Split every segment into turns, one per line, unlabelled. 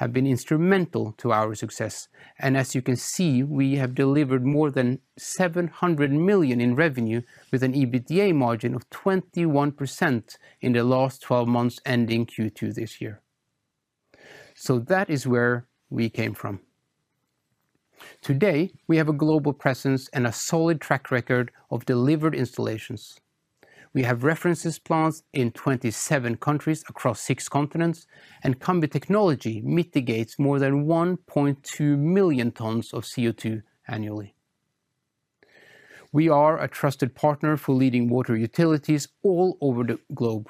Have been instrumental to our success, and as you can see, we have delivered more than 700 million in revenue with an EBITDA margin of 21% in the last 12 months, ending Q2 this year. That is where we came from. Today, we have a global presence and a solid track record of delivered installations. We have reference plants in 27 countries across six continents, and Cambi technology mitigates more than 1.2 million tons of CO2 annually. We are a trusted partner for leading water utilities all over the globe,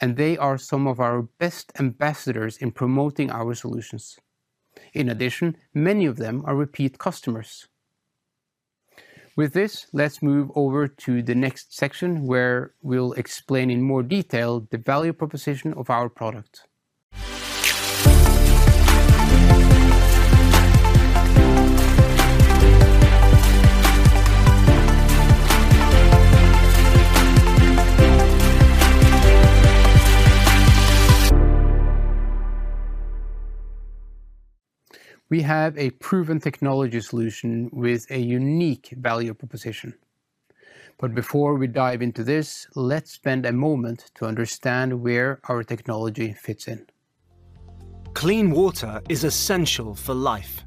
and they are some of our best ambassadors in promoting our solutions. In addition, many of them are repeat customers. With this, let's move over to the next section, where we'll explain in more detail the value proposition of our product. We have a proven technology solution with a unique value proposition. Before we dive into this, let's spend a moment to understand where our technology fits in.
Clean water is essential for life.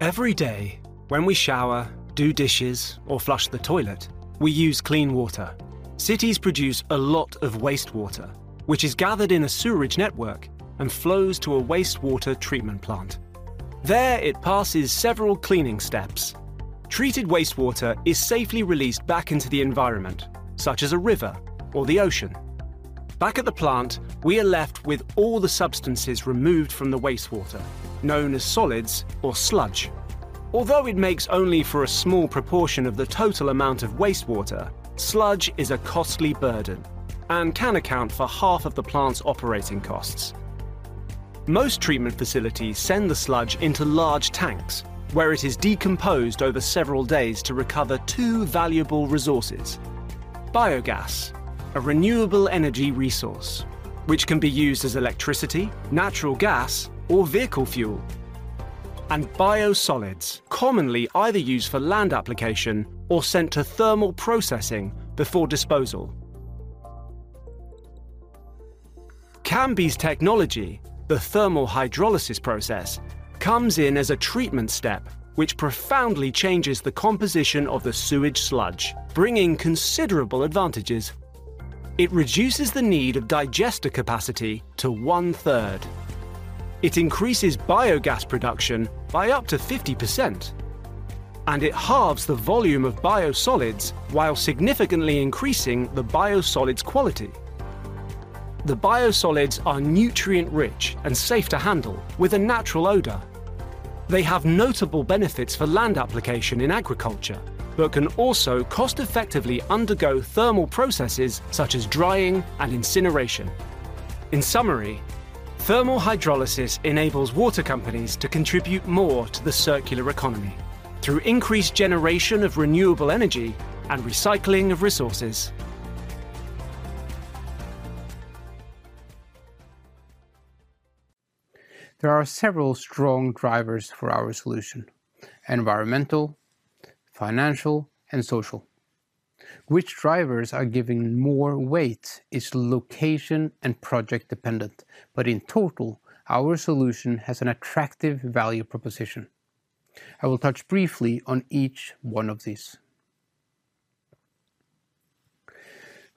Every day, when we shower, do dishes, or flush the toilet, we use clean water. Cities produce a lot of wastewater, which is gathered in a sewerage network and flows to a wastewater treatment plant. There, it passes several cleaning steps. Treated wastewater is safely released back into the environment, such as a river or the ocean. Back at the plant, we are left with all the substances removed from the wastewater, known as solids or sludge. Although it makes only for a small proportion of the total amount of wastewater, sludge is a costly burden and can account for half of the plant's operating costs. Most treatment facilities send the sludge into large tanks, where it is decomposed over several days to recover two valuable resources: biogas, a renewable energy resource, which can be used as electricity, natural gas, or vehicle fuel, and biosolids, commonly either used for land application or sent to thermal processing before disposal. Cambi's technology, the thermal hydrolysis process, comes in as a treatment step, which profoundly changes the composition of the sewage sludge, bringing considerable advantages. It reduces the need of digester capacity to one-third. It increases biogas production by up to 50%, and it halves the volume of biosolids while significantly increasing the biosolids quality. The biosolids are nutrient-rich and safe to handle with a natural odor. They have notable benefits for land application in agriculture, but can also cost-effectively undergo thermal processes such as drying and incineration. In summary, thermal hydrolysis enables water companies to contribute more to the circular economy through increased generation of renewable energy and recycling of resources.
There are several strong drivers for our solution: environmental, financial, and social. Which drivers are giving more weight is location and project dependent, but in total, our solution has an attractive value proposition. I will touch briefly on each one of these.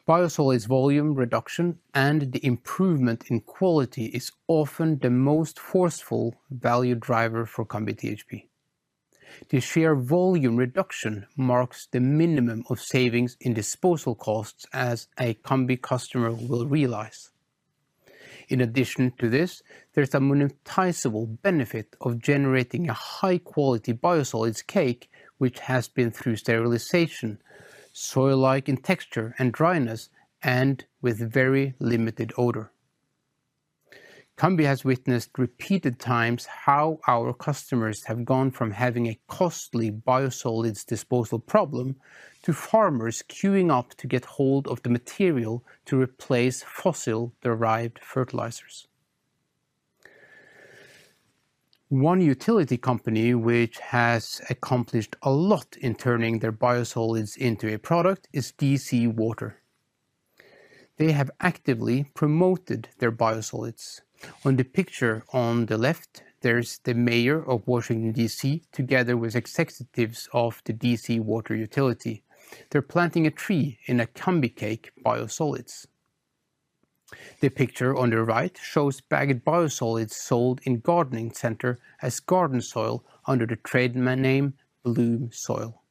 Biosolids volume reduction and the improvement in quality is often the most forceful value driver for Cambi THP. The sheer volume reduction marks the minimum of savings in disposal costs as a Cambi customer will realize. In addition to this, there's a monetizable benefit of generating a high-quality biosolids cake, which has been through sterilization, soil-like in texture and dryness, and with very limited odor. Cambi has witnessed repeated times how our customers have gone from having a costly biosolids disposal problem to farmers queuing up to get hold of the material to replace fossil-derived fertilizers. One utility company which has accomplished a lot in turning their biosolids into a product is DC Water. They have actively promoted their biosolids. On the picture on the left, there's the mayor of Washington, D.C., together with executives of the DC Water utility. They're planting a tree in a Cambi cake biosolids. The picture on the right shows bagged biosolids sold in gardening center as garden soil under the trademark name Bloom Soil.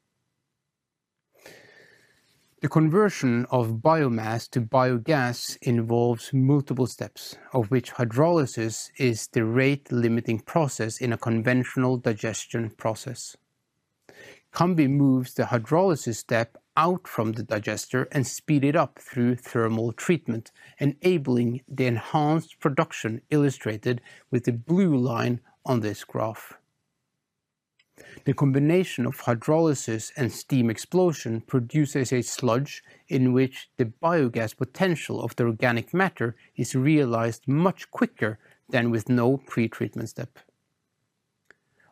The conversion of biomass to biogas involves multiple steps, of which hydrolysis is the rate-limiting process in a conventional digestion process. Cambi moves the hydrolysis step out from the digester and speed it up through thermal treatment, enabling the enhanced production illustrated with the blue line on this graph.... The combination of hydrolysis and steam explosion produces a sludge in which the biogas potential of the organic matter is realized much quicker than with no pretreatment step.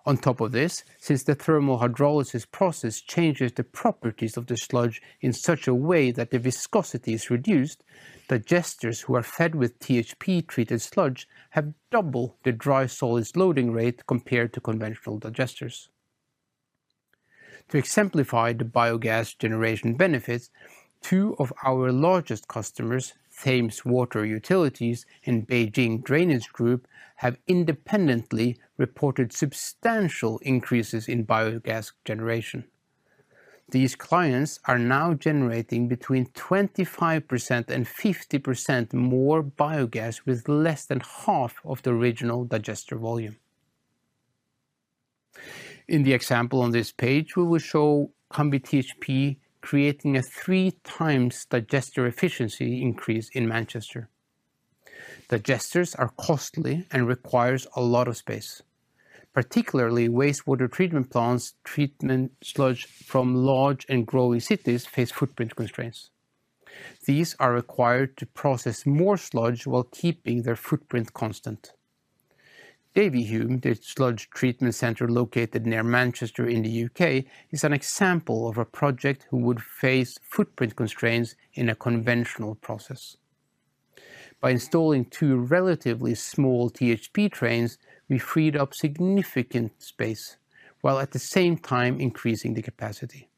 On top of this, since the thermal hydrolysis process changes the properties of the sludge in such a way that the viscosity is reduced, digesters who are fed with THP-treated sludge have double the dry solids loading rate compared to conventional digesters. To exemplify the biogas generation benefits, two of our largest customers, Thames Water Utilities and Beijing Drainage Group, have independently reported substantial increases in biogas generation. These clients are now generating between 25% and 50% more biogas, with less than half of the original digester volume. In the example on this page, we will show Cambi THP creating a 3 times digester efficiency increase in Manchester. Digesters are costly and require a lot of space, particularly wastewater treatment plants [where] treatment sludge from large and growing cities face footprint constraints. These are required to process more sludge while keeping their footprint constant. Davyhulme, the sludge treatment center located near Manchester in the U.K., is an example of a project who would face footprint constraints in a conventional process. By installing two relatively small THP trains, we freed up significant space, while at the same time increasing the capacity.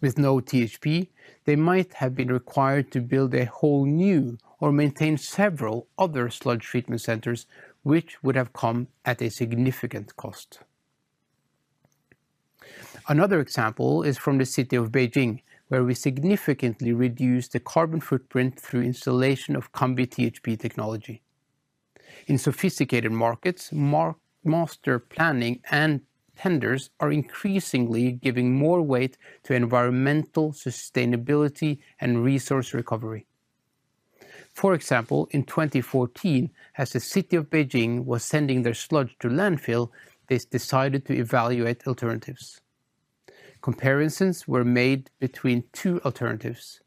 With no THP, they might have been required to build a whole new or maintain several other sludge treatment centers, which would have come at a significant cost. Another example is from the city of Beijing, where we significantly reduced the carbon footprint through installation of Cambi THP technology. In sophisticated markets, master planning and tenders are increasingly giving more weight to environmental sustainability and resource recovery. For example, in 2014, as the city of Beijing was sending their sludge to landfill, they decided to evaluate alternatives. Comparisons were made between two alternatives.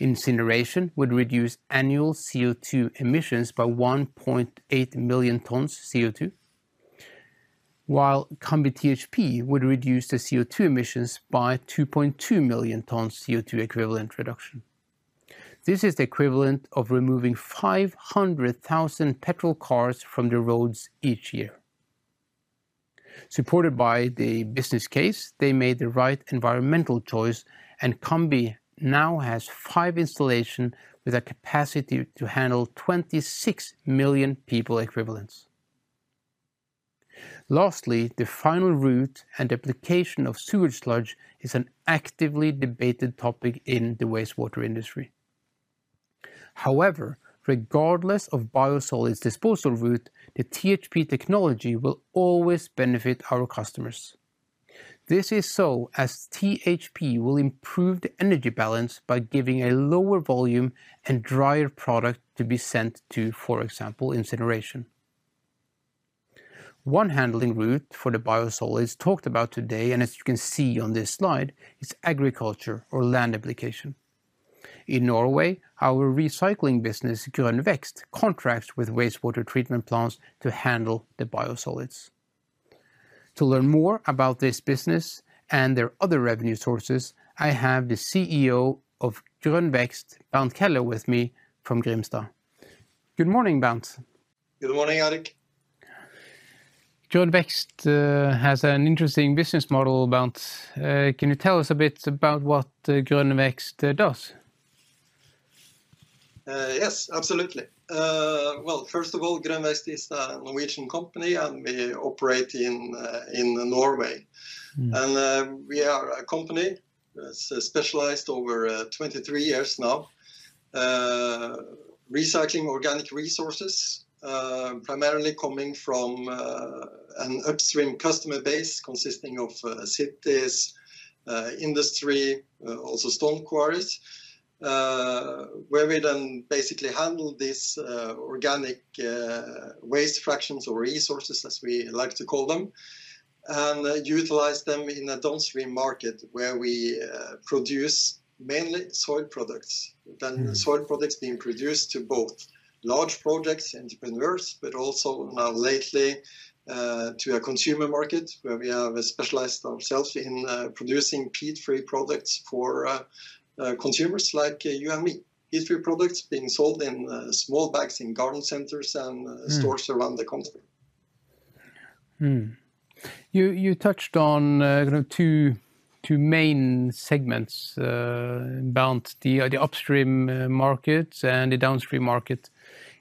Incineration would reduce annual CO2 emissions by 1.8 million tons of CO2, while Cambi THP would reduce the CO2 emissions by 2.2 million tons CO2 equivalent reduction. This is the equivalent of removing 500,000 petrol cars from the roads each year. Supported by the business case, they made the right environmental choice, and Cambi now has 5 installations, with a capacity to handle 26 million people equivalents. Lastly, the final route and application of sewage sludge is an actively debated topic in the wastewater industry. However, regardless of biosolids disposal route, the THP technology will always benefit our customers. This is so as THP will improve the energy balance by giving a lower volume and drier product to be sent to, for example, incineration. One handling route for the biosolids talked about today, and as you can see on this slide, is agriculture or land application. In Norway, our recycling business, Grønn Vekst, contracts with wastewater treatment plants to handle the biosolids. To learn more about this business and their other revenue sources, I have the CEO of Grønn Vekst, Baard Keller, with me from Grimstad. Good morning, Baard.
Good morning, Eirik.
Grønn Vekst has an interesting business model, Baard. Can you tell us a bit about what Grønn Vekst does?
Yes, absolutely. Well, first of all, Grønn Vekst is a Norwegian company, and we operate in, in Norway.
Mm-hmm.
We are a company that's specialized over 23 years now, recycling organic resources, primarily coming from an upstream customer base consisting of cities, industry, also stone quarries, where we then basically handle this organic waste fractions or resources, as we like to call them, and utilize them in a downstream market where we produce mainly soil products.
Mm-hmm.
Then soil products being produced to both large projects, entrepreneurs, but also, lately, to a consumer market, where we have specialized ourselves in, producing peat-free products for, consumers like you and me. These three products being sold in, small bags in garden centers and-
Mm...
stores around the country.
Mm-hmm. You touched on, you know, two main segments, Baard, the upstream markets and the downstream market.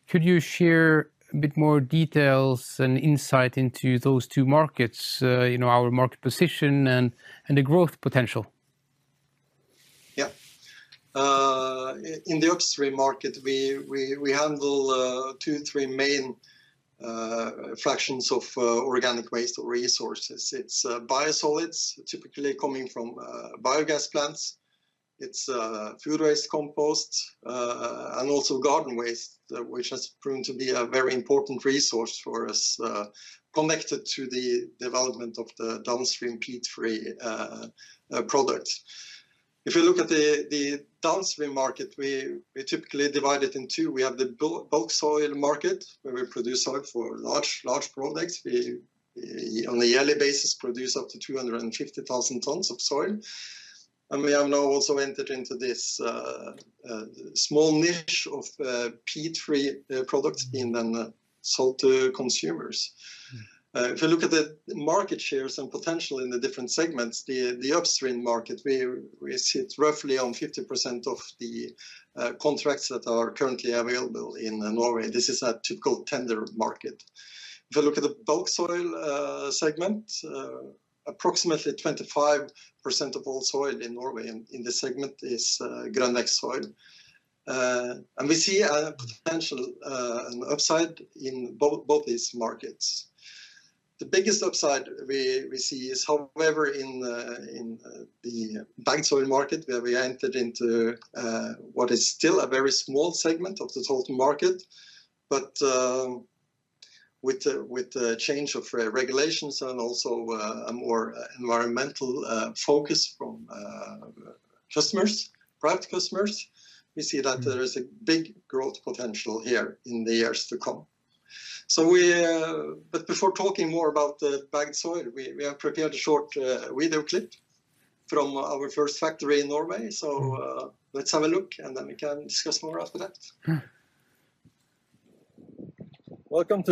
Could you share a bit more details and insight into those two markets, you know, our market position and the growth potential?
Yeah. In the upstream market, we handle two, three main fractions of organic waste or resources. It's biosolids, typically coming from biogas plants. It's food waste compost, and also garden waste, which has proven to be a very important resource for us, connected to the development of the downstream peat-free product. If you look at the downstream market, we typically divide it in two. We have the bulk soil market, where we produce soil for large products. We, on a yearly basis, produce up to 250,000 tons of soil, and we have now also entered into this small niche of peat-free products and then sold to consumers.
Mm.
If you look at the market shares and potential in the different segments, the upstream market, we sit roughly on 50% of the contracts that are currently available in Norway. This is a typical tender market. If you look at the bulk soil segment, approximately 25% of all soil in Norway in this segment is Grønn Vekst soil. And we see a potential and upside in both these markets. The biggest upside we see is, however, in the bagged soil market, where we entered into what is still a very small segment of the total market, but with the change of regulations and also a more environmental focus from customers, private customers, we see that-
Mm...
there is a big growth potential here in the years to come. So we... But before talking more about the bagged soil, we, we have prepared a short... video clip from our first factory in Norway.
Mm-hmm.
Let's have a look, and then we can discuss more after that.
Mm.
Welcome to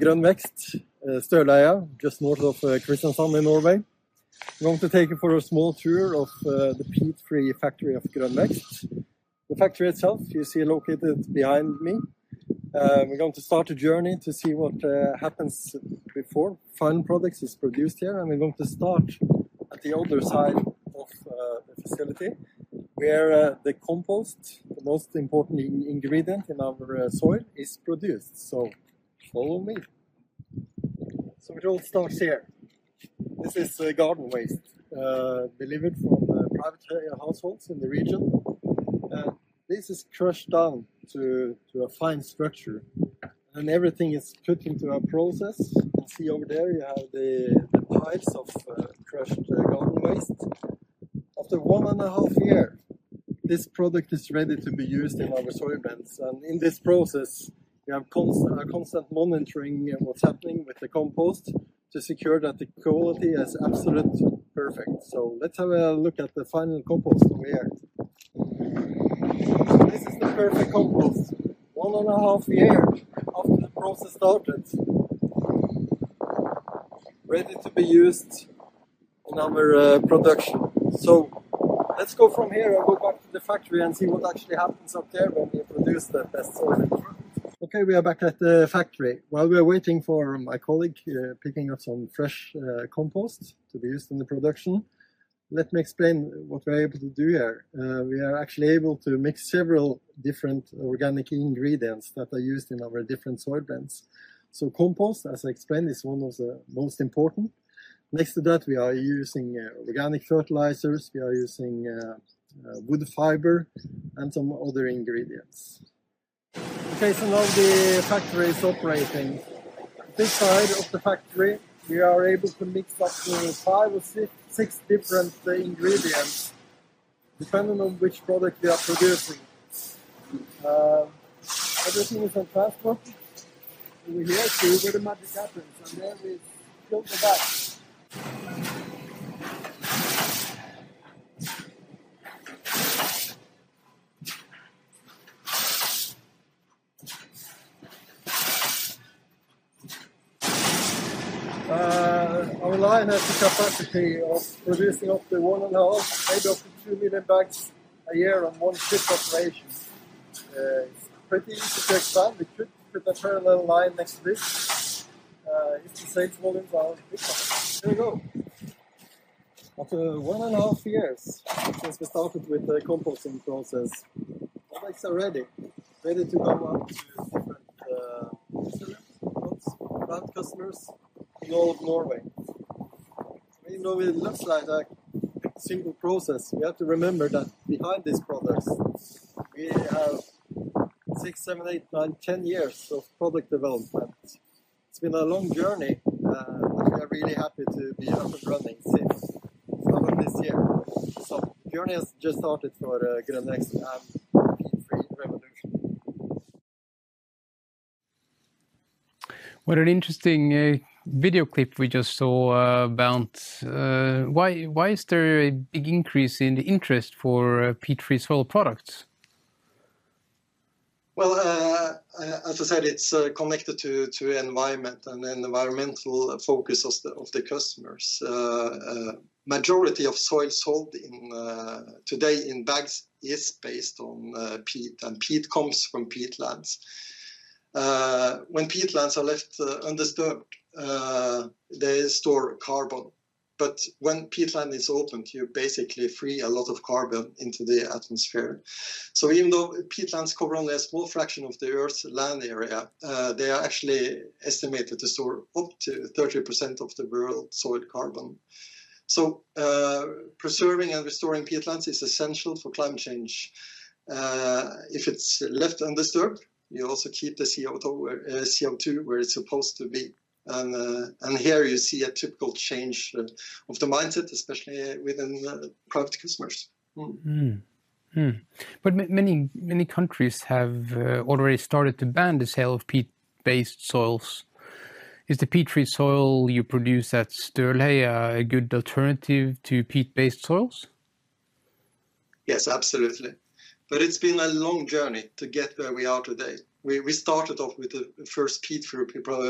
Grønn Vekst Støleheia, just north of, Kristiansand in Norway. I'm going to take you for a small tour of, the peat-free factory of Grønn Vekst. The factory itself, you see located behind me. We're going to start a journey to see what, happens before final products is produced here, and we're going to start at the other side of, the facility, where, the compost, the most important ingredient in our, soil, is produced. So follow me. So it all starts here. This is the garden waste, delivered from, private households in the region. And this is crushed down to a fine structure, and everything is put into a process. You can see over there, you have the pipes of, crushed garden waste. After one and a half year, this product is ready to be used in our soil blends. In this process, we have constant monitoring in what's happening with the compost, to secure that the quality is absolute perfect. Let's have a look at the final compost over here. This is the perfect compost, one and a half year after the process started. Ready to be used in our production. Let's go from here and go back to the factory and see what actually happens up there when we produce the best soil. Okay, we are back at the factory. While we are waiting for my colleague picking up some fresh compost to be used in the production, let me explain what we're able to do here. We are actually able to mix several different organic ingredients that are used in our different soil blends. So compost, as I explained, is one of the most important. Next to that, we are using organic fertilizers, we are using wood fiber, and some other ingredients. Okay, so now the factory is operating. This side of the factory, we are able to mix up to 5 or 6, 6 different ingredients, depending on which product we are producing. Everything is then passed on over here, see where the magic happens, and then we fill the bags. Our line has the capacity of producing up to 1.5, maybe up to 2 million bags a year on one shift operation. Pretty easy to expand. We could put a parallel line next to this, if the sales volumes are good. Here we go. After one and a half years since we started with the composting process, the bags are ready, ready to go out to different customers, both plant customers in all of Norway. Even though it looks like a simple process, you have to remember that behind these products, we have 6, 7, 8, 9, 10 years of product development. It's been a long journey, but we are really happy to be up and running since earlier this year. So the journey has just started for Grønn Vekst and the peat-free revolution.
What an interesting video clip we just saw, Baard. Why, why is there a big increase in the interest for peat-free soil products?
Well, as I said, it's connected to the environment and environmental focus of the customers. Majority of soil sold today in bags is based on peat, and peat comes from peatlands. When peatlands are left undisturbed, they store carbon, but when peatland is opened, you basically free a lot of carbon into the atmosphere. So even though peatlands cover only a small fraction of the Earth's land area, they are actually estimated to store up to 30% of the world's soil carbon. So, preserving and restoring peatlands is essential for climate change. If it's left undisturbed, you also keep the CO2 where it's supposed to be, and here you see a typical change of the mindset, especially within private customers.
But many, many countries have already started to ban the sale of peat-based soils. Is the peat-free soil you produce at Størleheia a good alternative to peat-based soils?
Yes, absolutely. But it's been a long journey to get where we are today. We started off with the first peat-free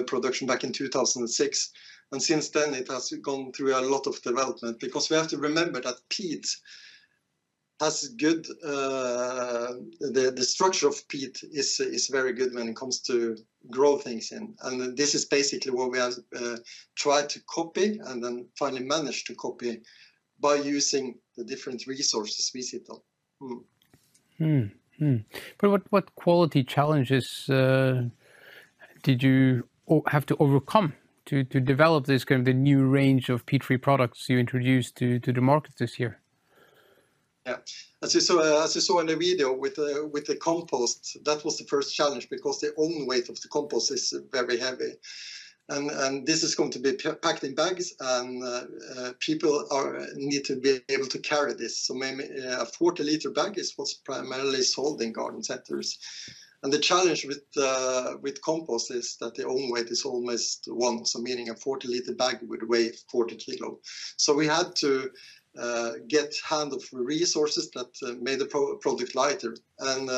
production back in 2006, and since then it has gone through a lot of development. Because we have to remember that peat has good. The structure of peat is very good when it comes to grow things in, and this is basically what we tried to copy and then finally managed to copy by using the different resources we see though. Mm.
But what quality challenges did you have to overcome to develop this kind of the new range of peat-free products you introduced to the market this year?
Yeah. As you saw, as you saw in the video with the, with the compost, that was the first challenge because the own weight of the compost is very heavy, and, and this is going to be packed in bags, and people need to be able to carry this. So maybe a 40-L bag is what's primarily sold in garden centers. And the challenge with compost is that the own weight is almost one, so meaning a 40-L bag would weigh 40 kg. So we had to get hold of resources that made the product lighter. And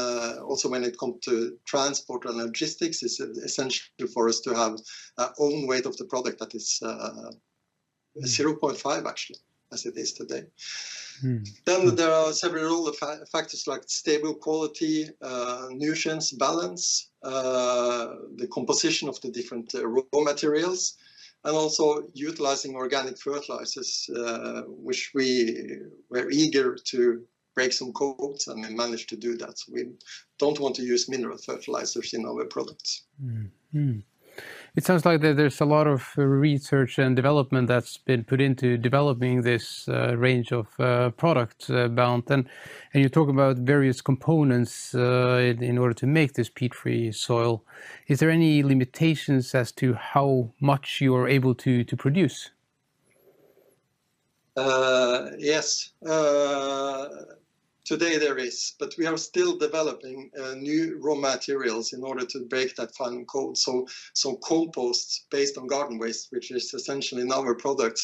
also when it come to transport and logistics, it's essential for us to have a own weight of the product that is 0.5, actually, as it is today.
Mm.
Then there are several other factors, like stable quality, nutrients balance, the composition of the different, raw materials, and also utilizing organic fertilizers, which we were eager to break some codes, and we managed to do that. We don't want to use mineral fertilizers in our products.
It sounds like there's a lot of research and development that's been put into developing this range of products, Baard. And you talk about various components in order to make this peat-free soil. Is there any limitations as to how much you're able to produce?
Yes. Today there is, but we are still developing new raw materials in order to break that final code. So, compost based on garden waste, which is essentially in our product,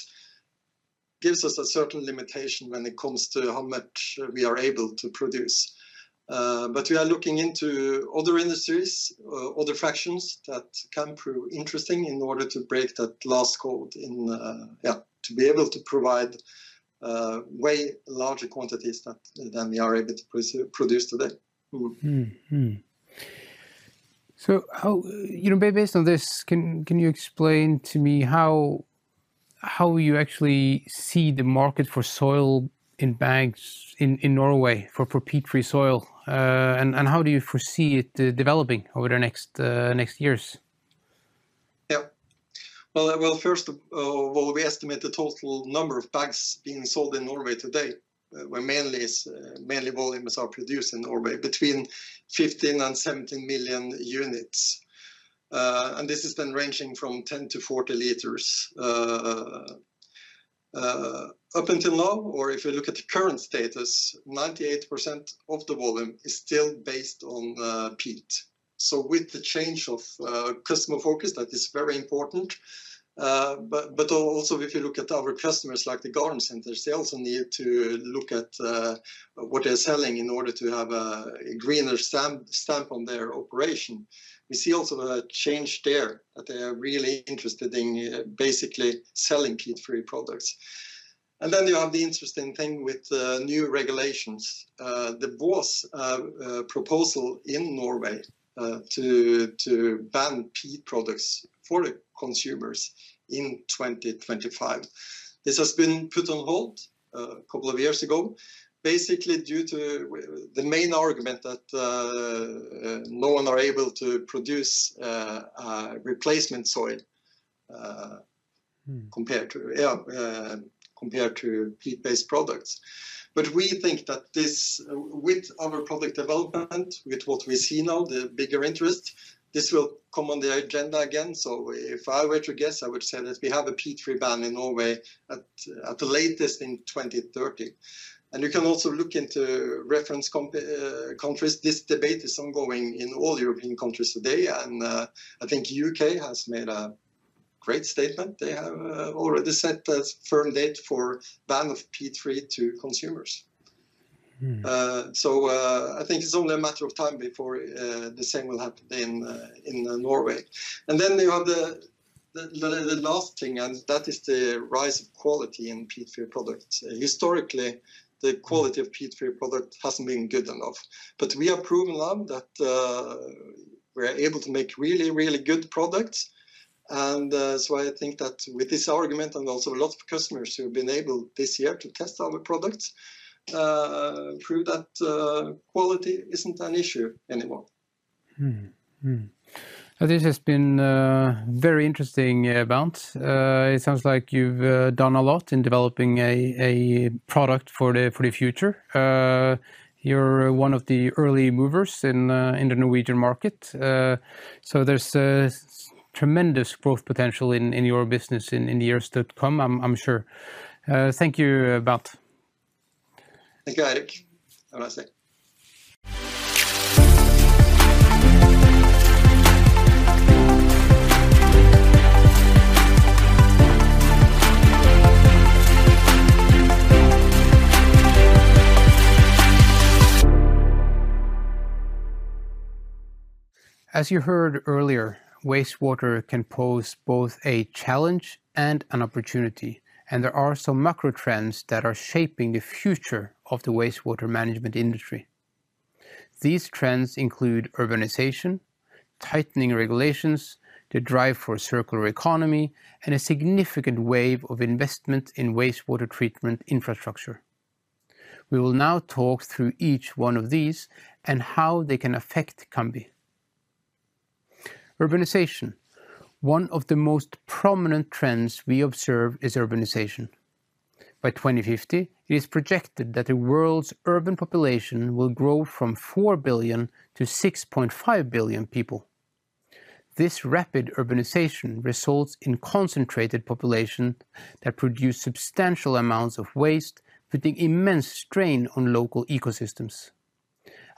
gives us a certain limitation when it comes to how much we are able to produce. But we are looking into other industries, other fractions that can prove interesting in order to break that last code in... Yeah, to be able to provide way larger quantities than we are able to produce today.
So how... You know, based on this, can you explain to me how you actually see the market for soil in bags in Norway for peat-free soil, and how do you foresee it developing over the next years?
Yeah. Well, first, we estimate the total number of bags being sold in Norway today, where mainly volumes are produced in Norway between 15-17 million units. And this has been ranging from 10-40 L. Up until now, or if you look at the current status, 98% of the volume is still based on peat. So with the change of customer focus, that is very important. But also if you look at our customers, like the garden center, they also need to look at what they're selling in order to have a greener stamp on their operation. We see also a change there, that they are really interested in basically selling peat-free products. And then you have the interesting thing with the new regulations. The ban proposal in Norway to ban peat products for the consumers in 2025. This has been put on hold a couple of years ago, basically due to the main argument that no one are able to produce replacement soil.
Mm...
compared to peat-based products. But we think that this, with our product development, with what we see now, the bigger interest, this will come on the agenda again. So if I were to guess, I would say that we have a peat-free ban in Norway at the latest in 2030. And you can also look into reference countries. This debate is ongoing in all European countries today, and I think U.K. has made a great statement. They have already set a firm date for ban of peat-free to consumers.
Mm.
So, I think it's only a matter of time before the same will happen in in Norway. And then you have the last thing, and that is the rise of quality in peat-free products. Historically, the quality of peat-free product hasn't been good enough. But we have proven now that we are able to make really, really good products, and so I think that with this argument, and also a lot of customers who have been able this year to test our products, prove that quality isn't an issue anymore.
Mm-hmm. Mm-hmm. This has been very interesting, Baard. It sounds like you've done a lot in developing a product for the future. You're one of the early movers in the Norwegian market. So there's a tremendous growth potential in your business in the years to come, I'm sure. Thank you, Bernd.
Thank you, Eirik. Have a nice day.
As you heard earlier, wastewater can pose both a challenge and an opportunity, and there are some macro trends that are shaping the future of the wastewater management industry. These trends include urbanization, tightening regulations, the drive for circular economy, and a significant wave of investment in wastewater treatment infrastructure. We will now talk through each one of these and how they can affect Cambi. Urbanization. One of the most prominent trends we observe is urbanization. By 2050, it is projected that the world's urban population will grow from 4 billion-6.5 billion people. This rapid urbanization results in concentrated population that produce substantial amounts of waste, putting immense strain on local ecosystems.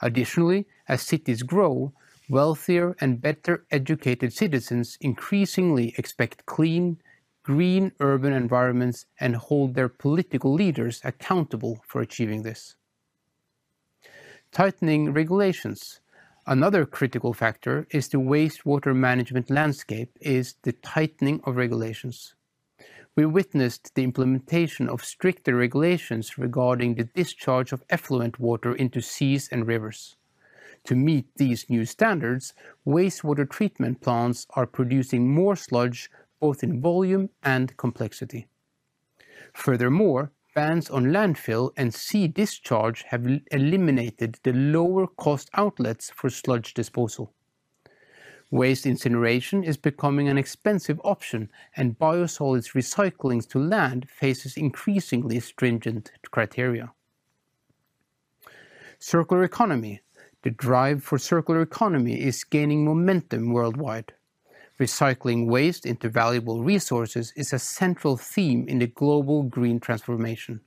Additionally, as cities grow, wealthier and better-educated citizens increasingly expect clean, green, urban environments and hold their political leaders accountable for achieving this. Tightening regulations. Another critical factor is the wastewater management landscape, is the tightening of regulations. We witnessed the implementation of stricter regulations regarding the discharge of effluent water into seas and rivers. To meet these new standards, wastewater treatment plants are producing more sludge, both in volume and complexity. Furthermore, bans on landfill and sea discharge have eliminated the lower cost outlets for sludge disposal. Waste incineration is becoming an expensive option, and biosolids recycling to land faces increasingly stringent criteria. Circular economy. The drive for circular economy is gaining momentum worldwide. Recycling waste into valuable resources is a central theme in the global green transformation.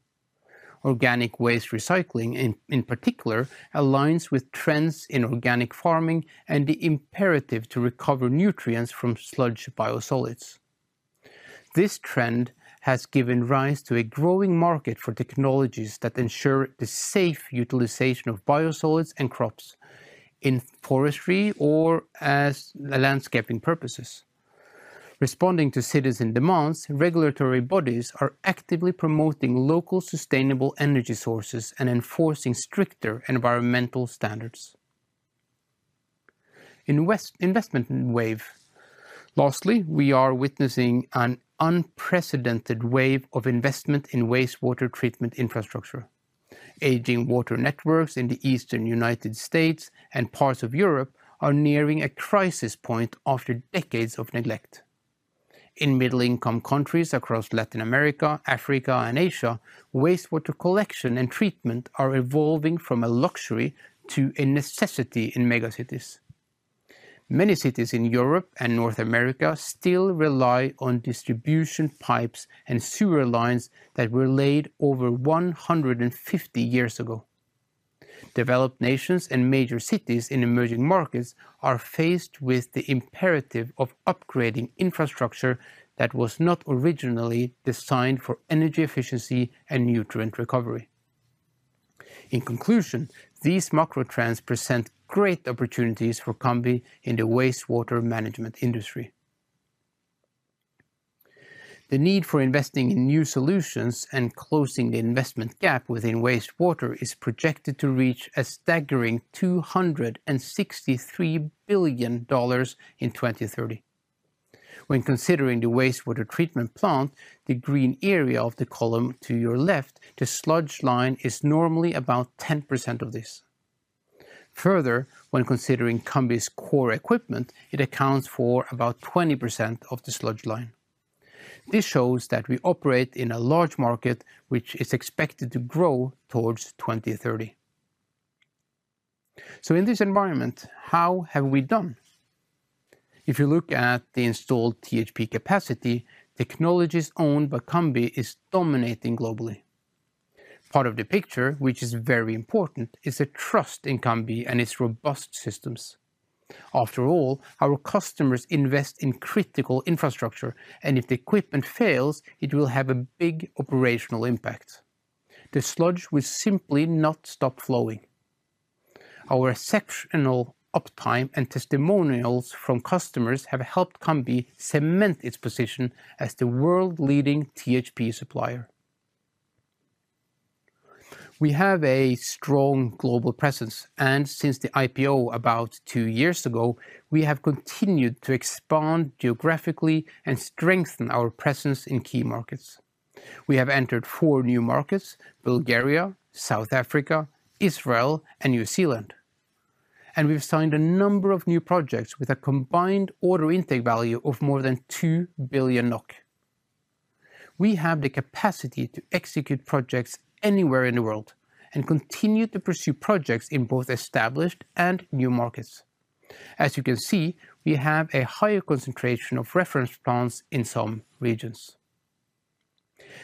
Organic waste recycling, in particular, aligns with trends in organic farming and the imperative to recover nutrients from sludge biosolids. This trend has given rise to a growing market for technologies that ensure the safe utilization of biosolids and crops in forestry or as a landscaping purposes. Responding to citizen demands, regulatory bodies are actively promoting local, sustainable energy sources and enforcing stricter environmental standards. In West investment wave. Lastly, we are witnessing an unprecedented wave of investment in wastewater treatment infrastructure. Aging water networks in the Eastern United States and parts of Europe are nearing a crisis point after decades of neglect. In middle-income countries across Latin America, Africa, and Asia, wastewater collection and treatment are evolving from a luxury to a necessity in mega cities. Many cities in Europe and North America still rely on distribution pipes and sewer lines that were laid over 150 years ago. Developed nations and major cities in emerging markets are faced with the imperative of upgrading infrastructure that was not originally designed for energy efficiency and nutrient recovery. In conclusion, these macro trends present great opportunities for Cambi in the wastewater management industry. The need for investing in new solutions and closing the investment gap within wastewater is projected to reach a staggering $263 billion in 2030. When considering the wastewater treatment plant, the green area of the column to your left, the sludge line is normally about 10% of this. Further, when considering Cambi's core equipment, it accounts for about 20% of the sludge line. This shows that we operate in a large market, which is expected to grow towards 2030. In this environment, how have we done? If you look at the installed THP capacity, technologies owned by Cambi is dominating globally. Part of the picture, which is very important, is the trust in Cambi and its robust systems. After all, our customers invest in critical infrastructure, and if the equipment fails, it will have a big operational impact. The sludge will simply not stop flowing. Our exceptional uptime and testimonials from customers have helped Cambi cement its position as the world-leading THP supplier.... We have a strong global presence, and since the IPO about 2 years ago, we have continued to expand geographically and strengthen our presence in key markets. We have entered 4 new markets: Bulgaria, South Africa, Israel, and New Zealand, and we've signed a number of new projects with a combined order intake value of more than 2 billion NOK. We have the capacity to execute projects anywhere in the world, and continue to pursue projects in both established and new markets. As you can see, we have a higher concentration of reference plants in some regions.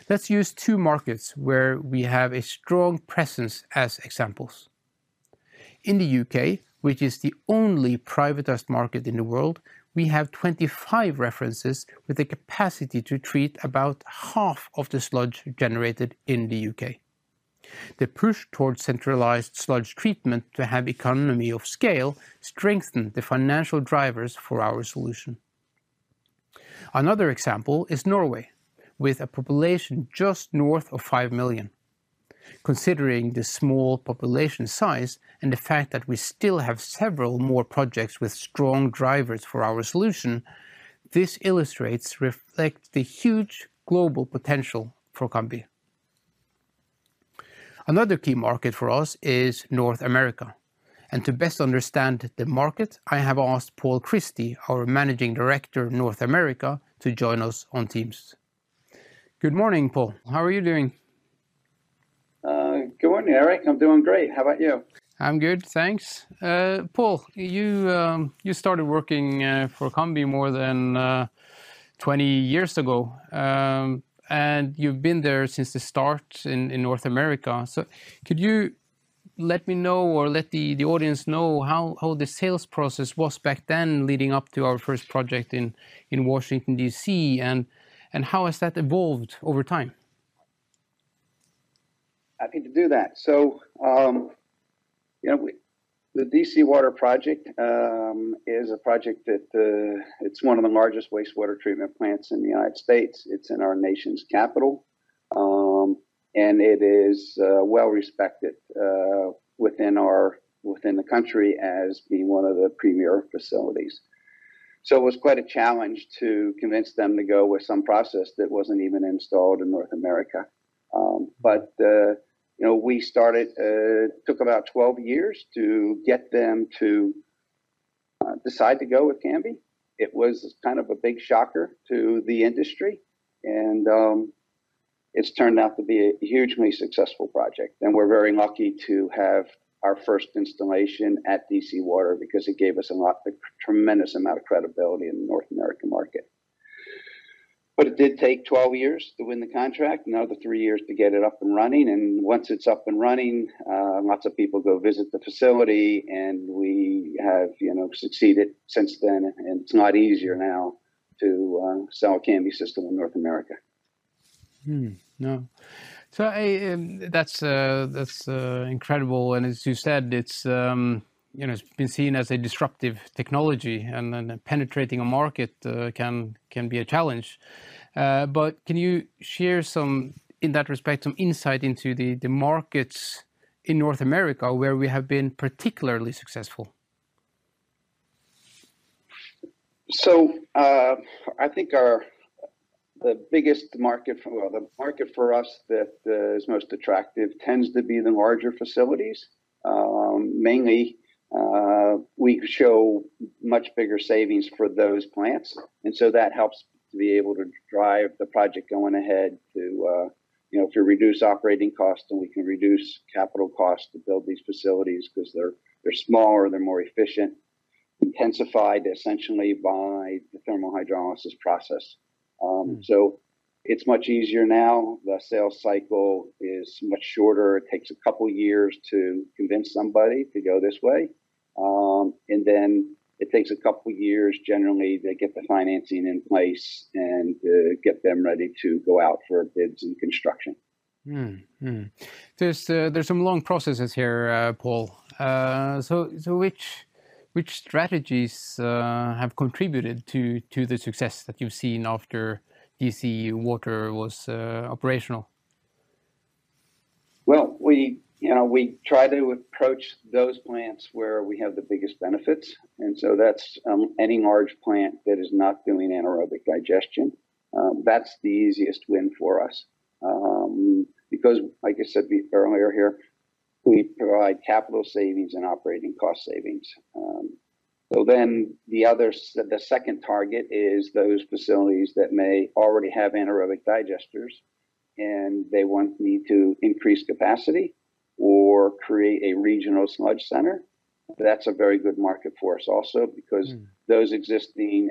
Let's use two markets where we have a strong presence as examples. In the U.K., which is the only privatized market in the world, we have 25 references with the capacity to treat about half of the sludge generated in the U.K. The push towards centralized sludge treatment to have economy of scale strengthened the financial drivers for our solution. Another example is Norway, with a population just north of 5 million. Considering the small population size and the fact that we still have several more projects with strong drivers for our solution, this illustrates, reflect the huge global potential for Cambi. Another key market for us is North America, and to best understand the market, I have asked Paul Christy, our Managing Director of North America, to join us on Teams. Good morning, Paul. How are you doing?
Good morning, Eirik. I'm doing great. How about you?
I'm good, thanks. Paul, you started working for Cambi more than 20 years ago. And you've been there since the start in North America. So could you let me know or let the audience know how the sales process was back then leading up to our first project in Washington, D.C., and how has that evolved over time?
Happy to do that. So, you know, the DC Water project is a project that it's one of the largest wastewater treatment plants in the United States. It's in our nation's capital, and it is well-respected within our, within the country as being one of the premier facilities. So it was quite a challenge to convince them to go with some process that wasn't even installed in North America. But, you know, we started, took about 12 years to get them to decide to go with Cambi. It was kind of a big shocker to the industry, and it's turned out to be a hugely successful project, and we're very lucky to have our first installation at DC Water because it gave us a lot, a tremendous amount of credibility in the North American market. But it did take 12 years to win the contract, another 3 years to get it up and running, and once it's up and running, lots of people go visit the facility, and we have, you know, succeeded since then, and it's a lot easier now to sell a Cambi system in North America.
No. So, that's incredible, and as you said, it's, you know, it's been seen as a disruptive technology, and then penetrating a market can be a challenge. But can you share some, in that respect, some insight into the markets in North America where we have been particularly successful?
So, I think our, the biggest market, well, the market for us that is most attractive tends to be the larger facilities. Mainly, we show much bigger savings for those plants, and so that helps to be able to drive the project going ahead to, you know, to reduce operating costs, and we can reduce capital costs to build these facilities 'cause they're, they're smaller, they're more efficient, intensified essentially by the Thermal Hydrolysis Process. So it's much easier now. The sales cycle is much shorter. It takes a couple of years to convince somebody to go this way. And then it takes a couple of years, generally, to get the financing in place and get them ready to go out for bids and construction.
There's some long processes here, Paul. So which strategies have contributed to the success that you've seen after DC Water was operational?
Well, we, you know, we try to approach those plants where we have the biggest benefits, and so that's any large plant that is not doing anaerobic digestion. That's the easiest win for us, because, like I said earlier here, we provide capital savings and operating cost savings. So then the other, the second target is those facilities that may already have anaerobic digesters, and they want, need to increase capacity or create a regional sludge center. That's a very good market for us also.
Mm...
because those existing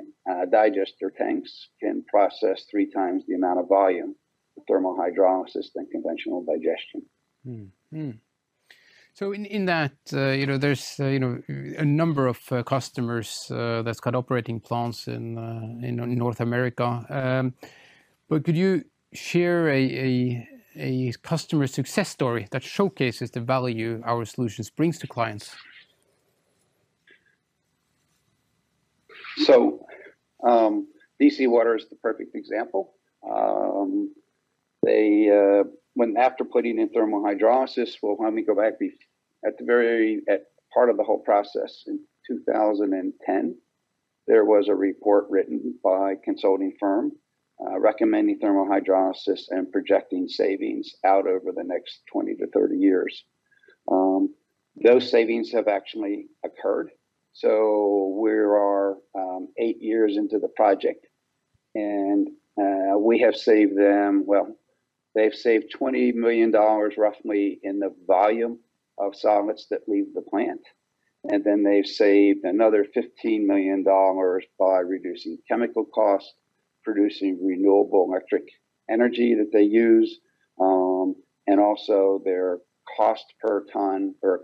digester tanks can process three times the amount of volume with thermal hydrolysis than conventional digestion.
So in that, you know, there's, you know, a number of customers that's got operating plants in North America. But could you share a customer success story that showcases the value our solutions brings to clients?...
So, DC Water is the perfect example. They, when after putting in thermal hydrolysis, well, let me go back. At the very part of the whole process in 2010, there was a report written by a consulting firm, recommending thermal hydrolysis and projecting savings out over the next 20-30 years. Those savings have actually occurred, so we are eight years into the project, and we have saved them... Well, they've saved $20 million roughly in the volume of solids that leave the plant, and then they've saved another $15 million by reducing chemical costs, producing renewable electric energy that they use. And also their cost per ton, or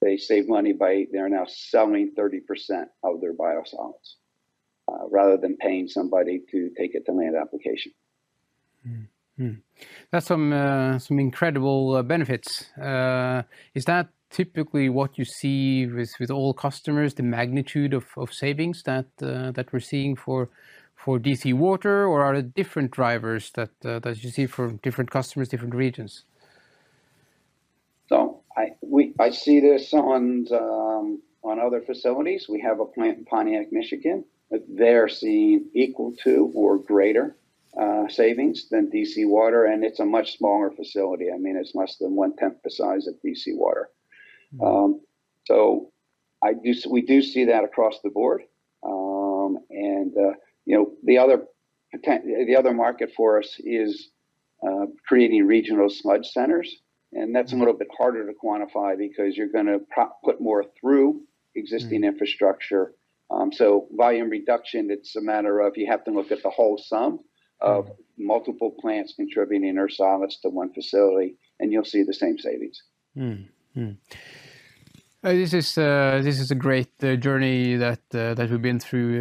they save money by they're now selling 30% of their biosolids, rather than paying somebody to take it to land application.
Mm-hmm. Mm-hmm. That's some incredible benefits. Is that typically what you see with all customers, the magnitude of savings that we're seeing for DC Water, or are there different drivers that you see for different customers, different regions?
So I see this on other facilities. We have a plant in Pontiac, Michigan, they're seeing equal to or greater savings than DC Water, and it's a much smaller facility. I mean, it's less than one-tenth the size of DC Water.
Mm.
So we do see that across the board. And you know, the other market for us is creating regional sludge centers-
Mm....
and that's a little bit harder to quantify because you're gonna put more through-
Mm...
existing infrastructure. So volume reduction, it's a matter of you have to look at the whole sum-
Mm...
of multiple plants contributing their solids to one facility, and you'll see the same savings.
Mm-hmm. Mm-hmm. This is a great journey that we've been through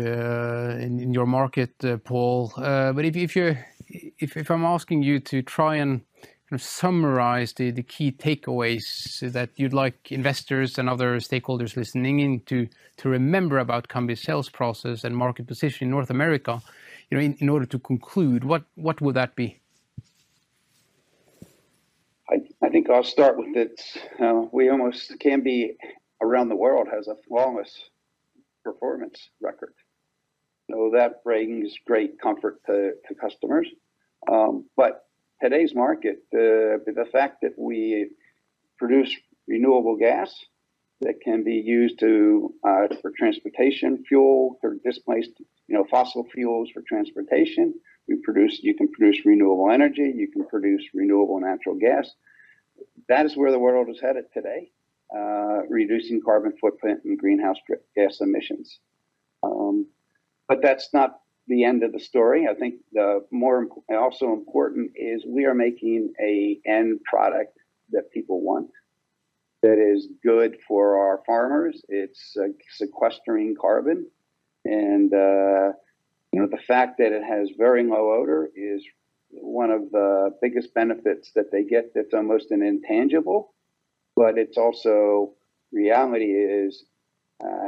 in your market, Paul. But if I'm asking you to try and kind of summarize the key takeaways that you'd like investors and other stakeholders listening in to remember about Cambi sales process and market position in North America, you know, in order to conclude, what would that be?
I think I'll start with it's Cambi around the world has a flawless performance record, so that brings great comfort to customers. But today's market, the fact that we produce renewable gas that can be used for transportation fuel or displace, you know, fossil fuels for transportation. You can produce renewable energy, you can produce renewable natural gas. That is where the world is headed today, reducing carbon footprint and greenhouse gas emissions. But that's not the end of the story. I think the more also important is we are making an end product that people want, that is good for our farmers, it's sequestering carbon, and, you know, the fact that it has very low odor is one of the biggest benefits that they get, that's almost an intangible. But it's also, reality is,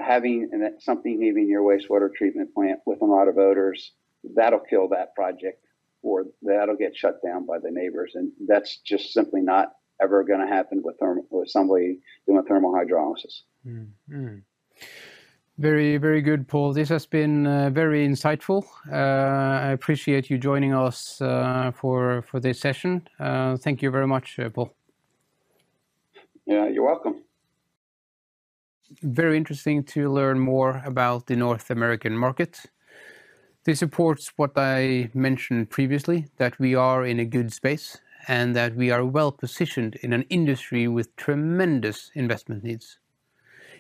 having something leaving your wastewater treatment plant with a lot of odors, that'll kill that project, or that'll get shut down by the neighbors, and that's just simply not ever gonna happen with thermal—with somebody doing a thermal hydrolysis.
Mm-hmm. Mm-hmm. Very, very good, Paul. This has been very insightful. I appreciate you joining us for this session. Thank you very much, Paul.
Yeah, you're welcome.
Very interesting to learn more about the North American market. This supports what I mentioned previously, that we are in a good space, and that we are well-positioned in an industry with tremendous investment needs.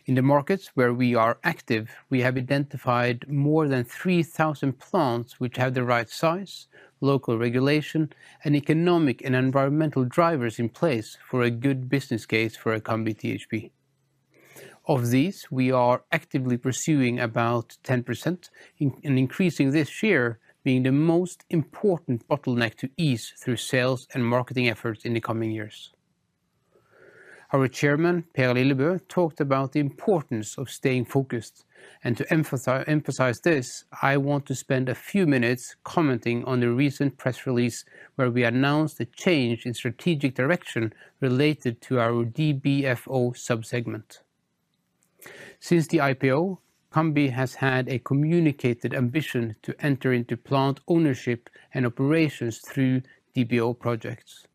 In the markets where we are active, we have identified more than 3,000 plants which have the right size, local regulation, and economic and environmental drivers in place for a good business case for a Cambi THP. Of these, we are actively pursuing about 10%, in and increasing this share, being the most important bottleneck to ease through sales and marketing efforts in the coming years. Our chairman, Per Lillebø, talked about the importance of staying focused, and to emphasize this, I want to spend a few minutes commenting on the recent press release, where we announced a change in strategic direction related to our DBFO sub-segment. Since the IPO, Cambi has had a communicated ambition to enter into plant ownership and operations through DBO projects.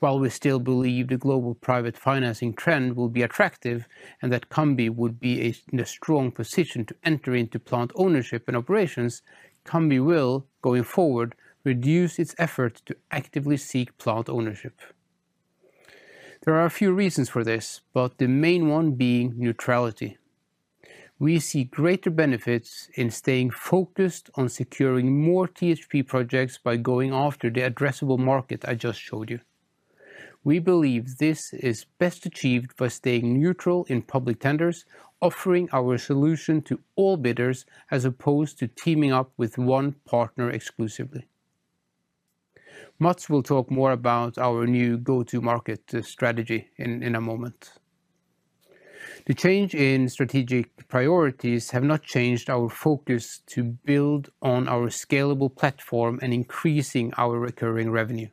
While we still believe the global private financing trend will be attractive and that Cambi would be in a strong position to enter into plant ownership and operations, Cambi will, going forward, reduce its effort to actively seek plant ownership. There are a few reasons for this, but the main one being neutrality. We see greater benefits in staying focused on securing more THP projects by going after the addressable market I just showed you. We believe this is best achieved by staying neutral in public tenders, offering our solution to all bidders, as opposed to teaming up with one partner exclusively.... Mats will talk more about our new go-to-market strategy in a moment. The change in strategic priorities have not changed our focus to build on our scalable platform and increasing our recurring revenue.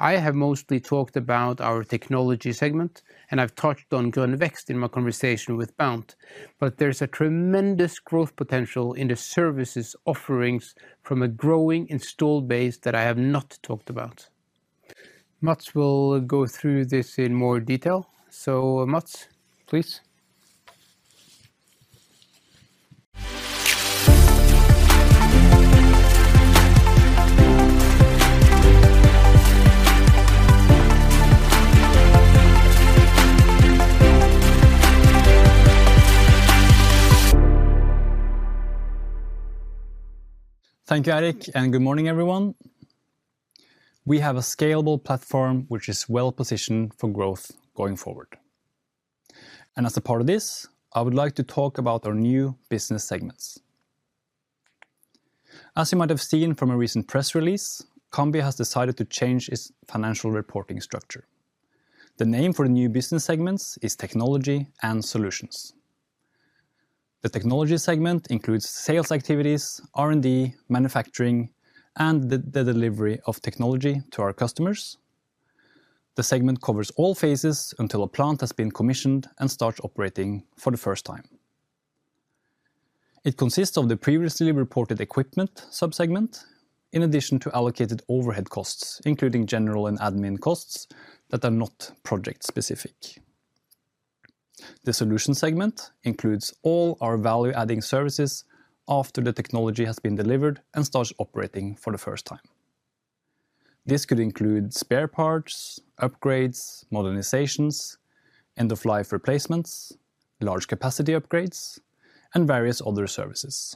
I have mostly talked about our technology segment, and I've touched on Grønn Vekst in my conversation with Baard, but there's a tremendous growth potential in the services offerings from a growing installed base that I have not talked about. Mats will go through this in more detail. So Mats, please.
Thank you, Eirik, and good morning, everyone. We have a scalable platform, which is well-positioned for growth going forward. And as a part of this, I would like to talk about our new business segments. As you might have seen from a recent press release, Cambi has decided to change its financial reporting structure. The name for the new business segments is Technology and Solutions. The technology segment includes sales activities, R&D, manufacturing, and the delivery of technology to our customers. The segment covers all phases until a plant has been commissioned and starts operating for the first time. It consists of the previously reported equipment sub-segment, in addition to allocated overhead costs, including general and admin costs that are not project-specific. The solution segment includes all our value-adding services after the technology has been delivered and starts operating for the first time. This could include spare parts, upgrades, modernizations, end-of-life replacements, large capacity upgrades, and various other services.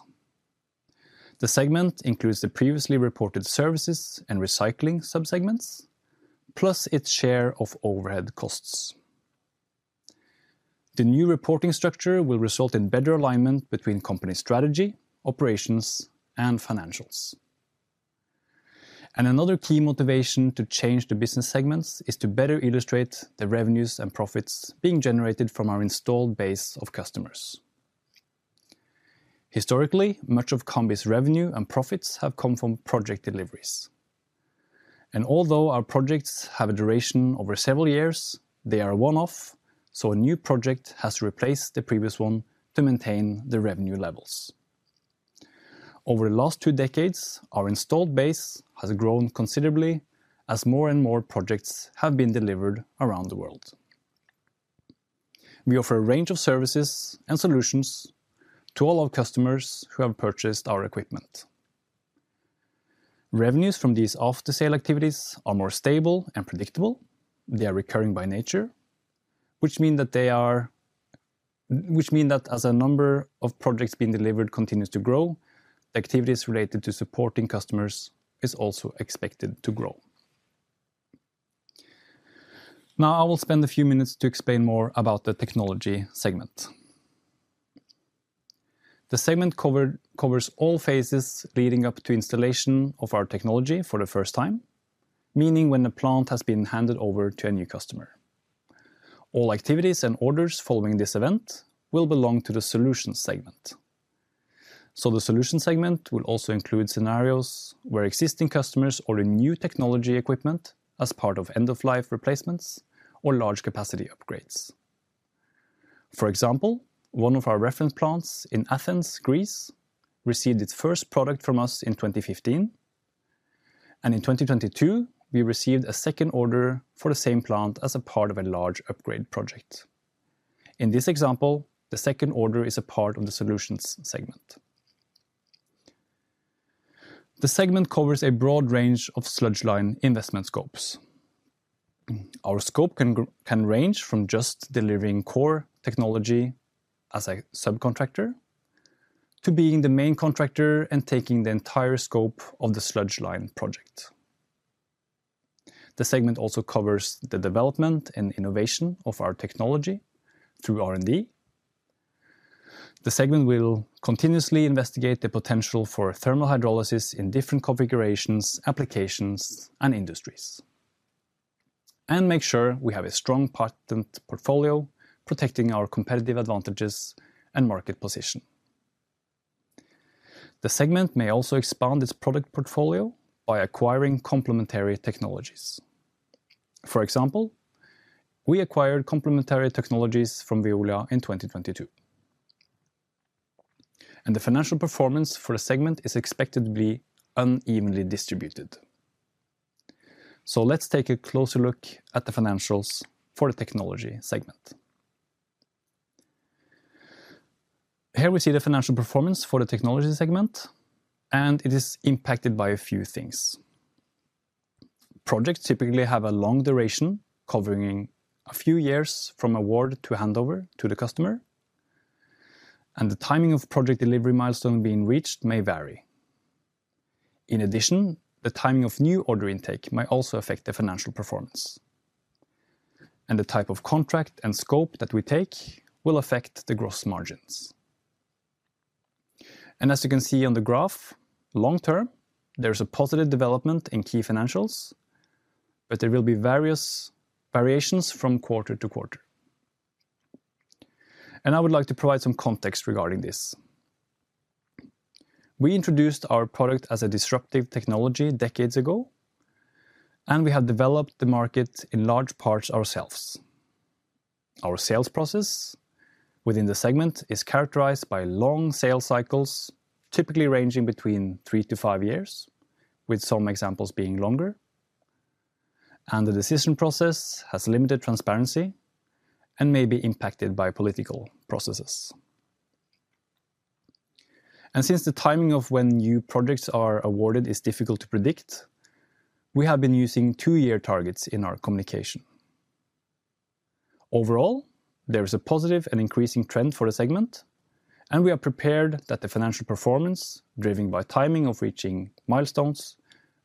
The segment includes the previously reported services and recycling sub-segments, plus its share of overhead costs. The new reporting structure will result in better alignment between company strategy, operations, and financials. Another key motivation to change the business segments is to better illustrate the revenues and profits being generated from our installed base of customers. Historically, much of Cambi's revenue and profits have come from project deliveries. Although our projects have a duration over several years, they are a one-off, so a new project has to replace the previous one to maintain the revenue levels. Over the last two decades, our installed base has grown considerably as more and more projects have been delivered around the world. We offer a range of services and solutions to all our customers who have purchased our equipment. Revenues from these after-sale activities are more stable and predictable. They are recurring by nature, which means that as a number of projects being delivered continues to grow, activities related to supporting customers is also expected to grow. Now, I will spend a few minutes to explain more about the technology segment. The segment covers all phases leading up to installation of our technology for the first time, meaning when the plant has been handed over to a new customer. All activities and orders following this event will belong to the solutions segment. So the solution segment will also include scenarios where existing customers order new technology equipment as part of end-of-life replacements or large capacity upgrades. For example, one of our reference plants in Athens, Greece, received its first product from us in 2015, and in 2022, we received a second order for the same plant as a part of a large upgrade project. In this example, the second order is a part of the solutions segment. The segment covers a broad range of sludge line investment scopes. Our scope can range from just delivering core technology as a subcontractor, to being the main contractor and taking the entire scope of the sludge line project. The segment also covers the development and innovation of our technology through R&D. The segment will continuously investigate the potential for thermal hydrolysis in different configurations, applications, and industries, and make sure we have a strong patent portfolio protecting our competitive advantages and market position. The segment may also expand its product portfolio by acquiring complementary technologies. For example, we acquired complementary technologies from Veolia in 2022. The financial performance for a segment is expected to be unevenly distributed. So let's take a closer look at the financials for the technology segment. Here we see the financial performance for the technology segment, and it is impacted by a few things. Projects typically have a long duration, covering a few years from award to handover to the customer, and the timing of project delivery milestone being reached may vary. In addition, the timing of new order intake may also affect the financial performance. The type of contract and scope that we take will affect the gross margins.... As you can see on the graph, long term, there is a positive development in key financials, but there will be various variations from quarter to quarter. I would like to provide some context regarding this. We introduced our product as a disruptive technology decades ago, and we have developed the market in large parts ourselves. Our sales process within the segment is characterized by long sales cycles, typically ranging between 3-5 years, with some examples being longer, and the decision process has limited transparency and may be impacted by political processes. Since the timing of when new projects are awarded is difficult to predict, we have been using 2-year targets in our communication. Overall, there is a positive and increasing trend for the segment, and we are prepared that the financial performance, driven by timing of reaching milestones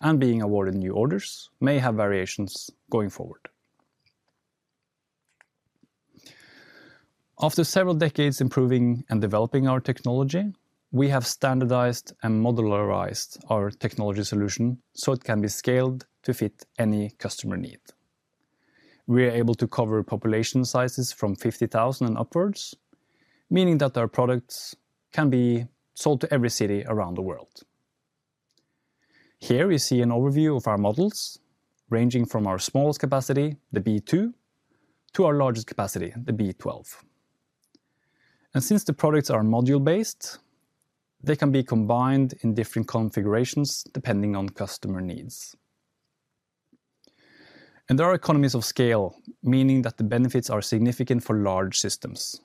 and being awarded new orders, may have variations going forward. After several decades improving and developing our technology, we have standardized and modularized our technology solution so it can be scaled to fit any customer need. We are able to cover population sizes from 50,000 and upwards, meaning that our products can be sold to every city around the world. Here you see an overview of our models, ranging from our smallest capacity, the B2, to our largest capacity, the B12. Since the products are module-based, they can be combined in different configurations depending on customer needs. There are economies of scale, meaning that the benefits are significant for large systems.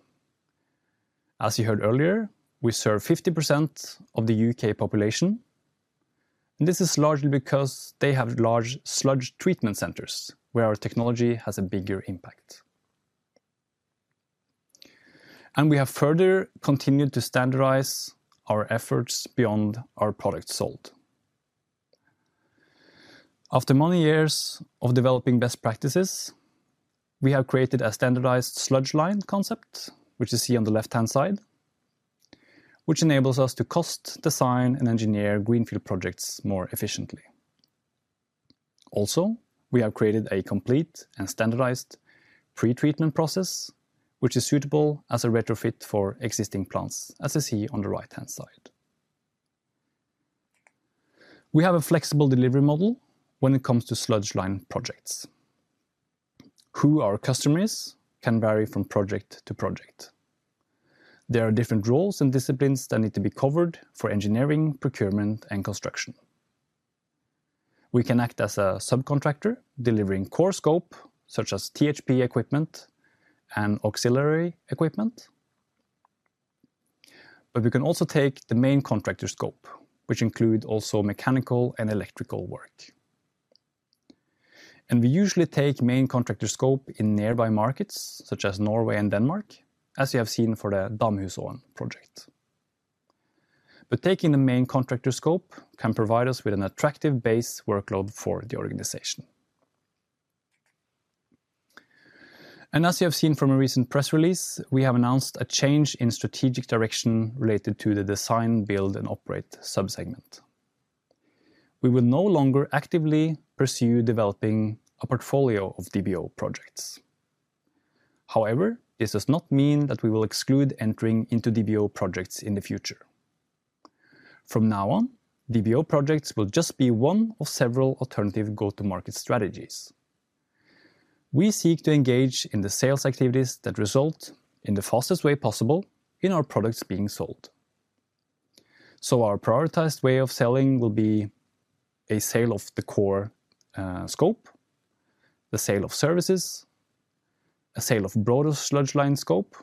As you heard earlier, we serve 50% of the U.K. population, and this is largely because they have large sludge treatment centers where our technology has a bigger impact. We have further continued to standardize our efforts beyond our products sold. After many years of developing best practices, we have created a standardized sludge line concept, which you see on the left-hand side, which enables us to cost, design, and engineer greenfield projects more efficiently. Also, we have created a complete and standardized pretreatment process, which is suitable as a retrofit for existing plants, as you see on the right-hand side. We have a flexible delivery model when it comes to sludge line projects. Who our customer is can vary from project to project. There are different roles and disciplines that need to be covered for engineering, procurement, and construction. We can act as a subcontractor, delivering core scope, such as THP equipment and auxiliary equipment, but we can also take the main contractor scope, which include also mechanical and electrical work. We usually take main contractor scope in nearby markets, such as Norway and Denmark, as you have seen for the Damhusåen project. Taking the main contractor scope can provide us with an attractive base workload for the organization. As you have seen from a recent press release, we have announced a change in strategic direction related to the design, build, and operate subsegment. We will no longer actively pursue developing a portfolio of DBO projects. However, this does not mean that we will exclude entering into DBO projects in the future. From now on, DBO projects will just be one of several alternative go-to-market strategies. We seek to engage in the sales activities that result in the fastest way possible in our products being sold. So our prioritized way of selling will be a sale of the core, scope, the sale of services, a sale of broader sludge line scope,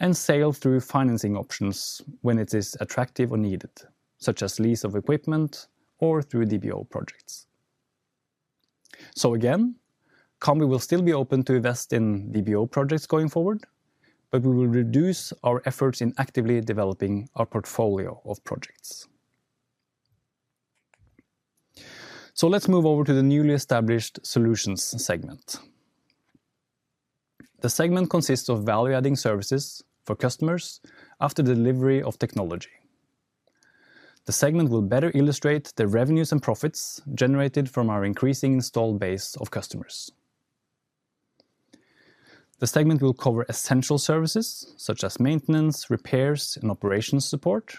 and sale through financing options when it is attractive or needed, such as lease of equipment or through DBO projects. So again, Cambi will still be open to invest in DBO projects going forward, but we will reduce our efforts in actively developing our portfolio of projects. So let's move over to the newly established solutions segment. The segment consists of value-adding services for customers after delivery of technology. The segment will better illustrate the revenues and profits generated from our increasing installed base of customers. The segment will cover essential services such as maintenance, repairs, and operations support,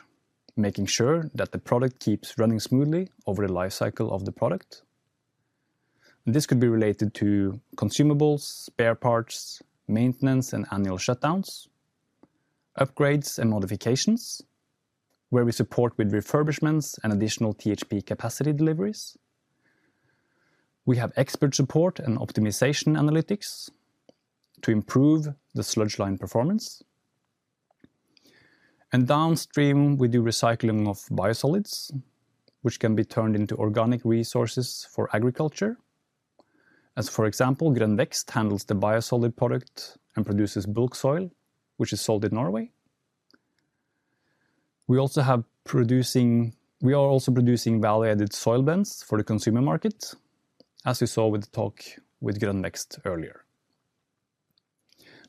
making sure that the product keeps running smoothly over the life cycle of the product. This could be related to consumables, spare parts, maintenance, and annual shutdowns, upgrades and modifications, where we support with refurbishments and additional THP capacity deliveries. We have expert support and optimization analytics to improve the sludge line performance. And downstream, we do recycling of biosolids, which can be turned into organic resources for agriculture. As for example, Grønn Vekst handles the biosolid product and produces bulk soil, which is sold in Norway. We are also producing value-added soil blends for the consumer market, as you saw with the talk with Grønn Vekst earlier.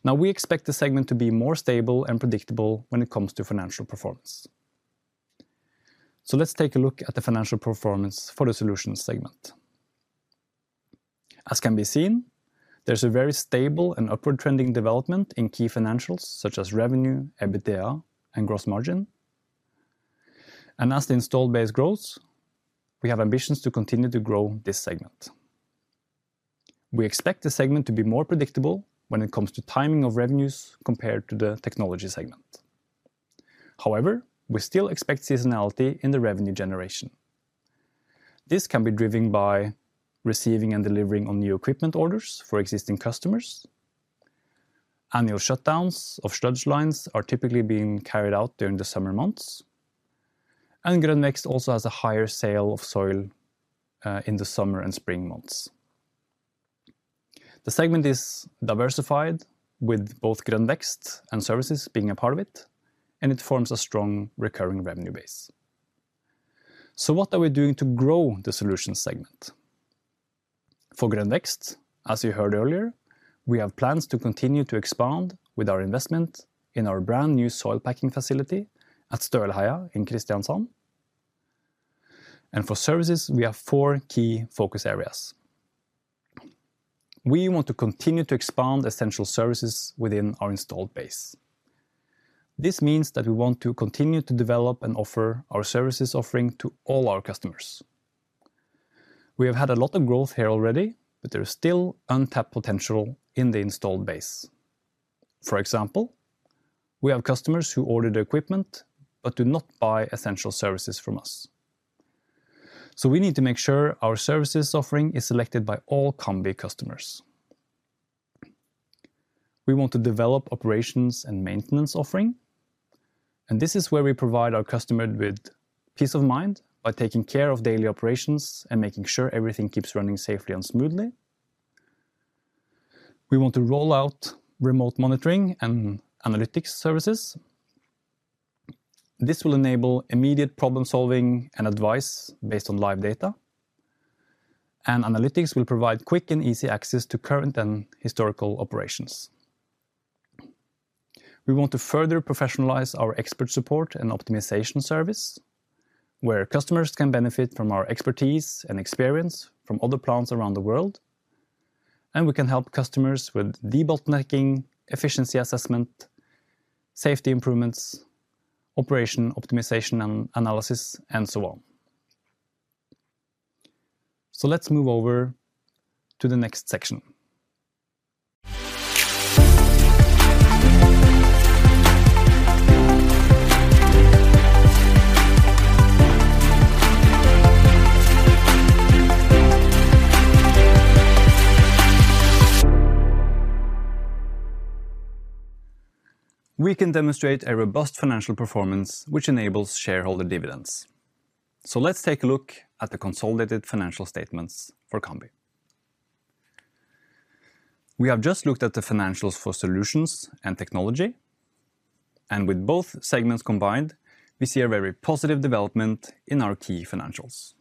Now, we expect the segment to be more stable and predictable when it comes to financial performance. So let's take a look at the financial performance for the Solutions segment. As can be seen, there's a very stable and upward trending development in key financials, such as revenue, EBITDA, and gross margin. As the installed base grows, we have ambitions to continue to grow this segment. We expect the segment to be more predictable when it comes to timing of revenues compared to the Technology segment. However, we still expect seasonality in the revenue generation. This can be driven by receiving and delivering on new equipment orders for existing customers. Annual shutdowns of sludge lines are typically being carried out during the summer months, and Grønn Vekst also has a higher sale of soil in the summer and spring months. The segment is diversified, with both Grønn Vekst and Services being a part of it, and it forms a strong recurring revenue base. What are we doing to grow the Solutions segment? For Grønn Vekst, as you heard earlier, we have plans to continue to expand with our investment in our brand-new soil packing facility at Støleheia in Kristiansand. For Services, we have four key focus areas. We want to continue to expand essential services within our installed base. This means that we want to continue to develop and offer our services offering to all our customers. We have had a lot of growth here already, but there is still untapped potential in the installed base. For example, we have customers who order the equipment but do not buy essential services from us. So we need to make sure our services offering is selected by all Cambi customers. We want to develop operations and maintenance offering, and this is where we provide our customer with peace of mind by taking care of daily operations and making sure everything keeps running safely and smoothly. We want to roll out remote monitoring and analytics services. This will enable immediate problem-solving and advice based on live data, and analytics will provide quick and easy access to current and historical operations. We want to further professionalize our expert support and optimization service, where customers can benefit from our expertise and experience from other plants around the world, and we can help customers with debottlenecking, efficiency assessment, safety improvements, operation optimization and analysis, and so on. So let's move over to the next section. We can demonstrate a robust financial performance, which enables shareholder dividends. So let's take a look at the consolidated financial statements for Cambi. We have just looked at the financials for Solutions and Technology, and with both segments combined, we see a very positive development in our key financials.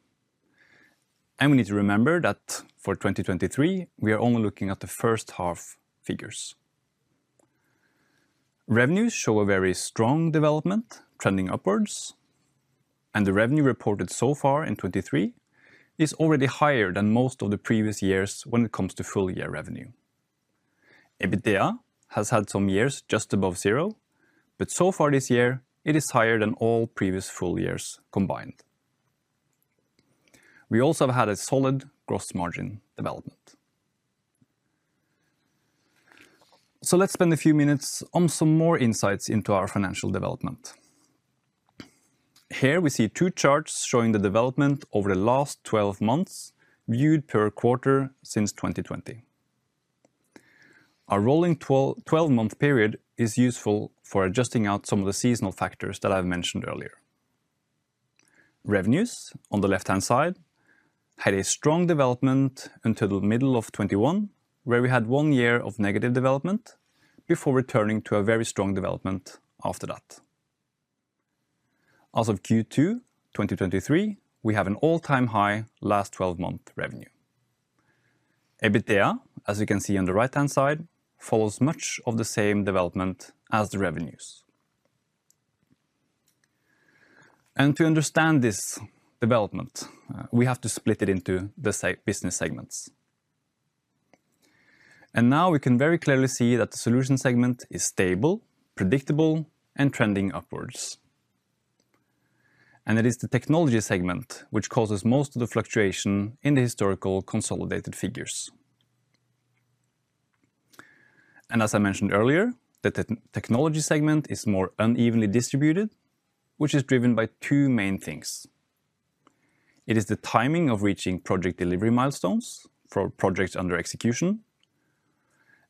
We need to remember that for 2023, we are only looking at the first half figures. Revenues show a very strong development, trending upwards, and the revenue reported so far in 2023 is already higher than most of the previous years when it comes to full year revenue. EBITDA has had some years just above zero, but so far this year, it is higher than all previous full years combined. We also have had a solid gross margin development. So let's spend a few minutes on some more insights into our financial development. Here, we see two charts showing the development over the last 12 months, viewed per quarter since 2020. A rolling 12-month period is useful for adjusting out some of the seasonal factors that I've mentioned earlier. Revenues, on the left-hand side, had a strong development until the middle of 2021, where we had one year of negative development before returning to a very strong development after that. As of Q2 2023, we have an all-time high last 12-month revenue. EBITDA, as you can see on the right-hand side, follows much of the same development as the revenues. To understand this development, we have to split it into the business segments. Now we can very clearly see that the Solution segment is stable, predictable, and trending upwards. It is the Technology segment which causes most of the fluctuation in the historical consolidated figures. As I mentioned earlier, the Technology segment is more unevenly distributed, which is driven by two main things. It is the timing of reaching project delivery milestones for projects under execution,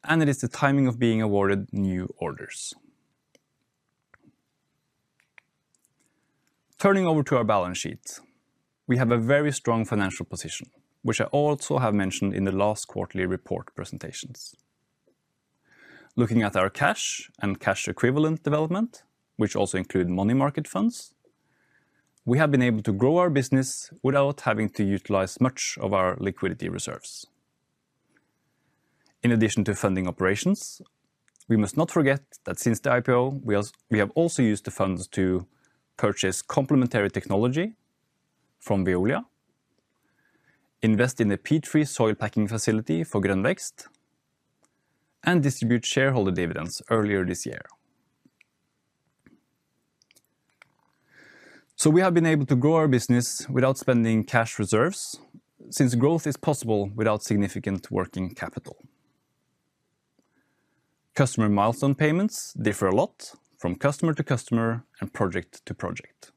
and it is the timing of being awarded new orders. Turning over to our balance sheet, we have a very strong financial position, which I also have mentioned in the last quarterly report presentations. Looking at our cash and cash equivalent development, which also include money market funds. We have been able to grow our business without having to utilize much of our liquidity reserves. In addition to funding operations, we must not forget that since the IPO, we have also used the funds to purchase complementary technology from Veolia, invest in the peat-free soil packing facility for Grønn Vekst, and distribute shareholder dividends earlier this year. So we have been able to grow our business without spending cash reserves, since growth is possible without significant working capital. Customer milestone payments differ a lot from customer to customer and project to project,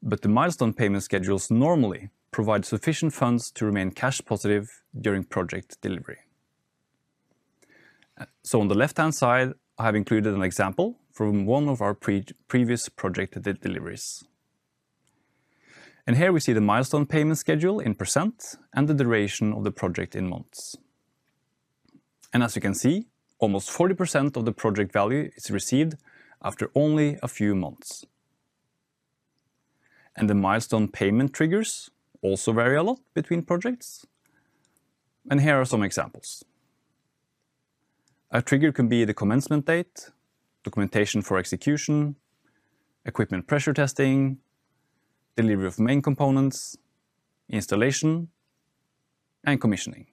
but the milestone payment schedules normally provide sufficient funds to remain cash positive during project delivery. So on the left-hand side, I have included an example from one of our previous project deliveries. Here we see the milestone payment schedule in percent and the duration of the project in months. As you can see, almost 40% of the project value is received after only a few months. The milestone payment triggers also vary a lot between projects, and here are some examples. A trigger can be the commencement date, documentation for execution, equipment pressure testing, delivery of main components, installation, and commissioning.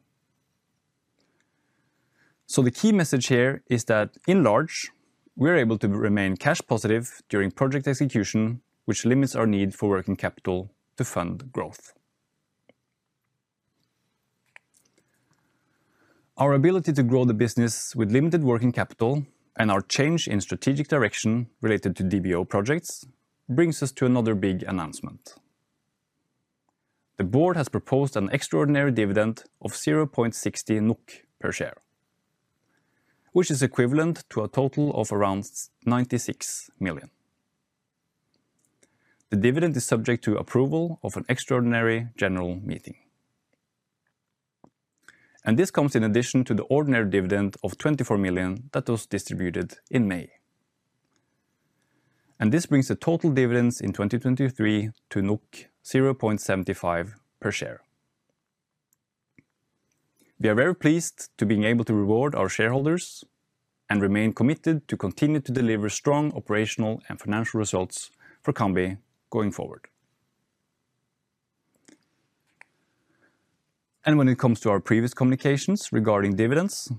The key message here is that by and large, we're able to remain cash positive during project execution, which limits our need for working capital to fund growth. Our ability to grow the business with limited working capital and our change in strategic direction related to DBO projects brings us to another big announcement. The board has proposed an extraordinary dividend of 0.60 NOK per share, which is equivalent to a total of around 96 million. The dividend is subject to approval of an extraordinary general meeting. This comes in addition to the ordinary dividend of 24 million that was distributed in May. This brings the total dividends in 2023 to 0.75 per share. We are very pleased to being able to reward our shareholders and remain committed to continue to deliver strong operational and financial results for Cambi going forward. When it comes to our previous communications regarding dividends,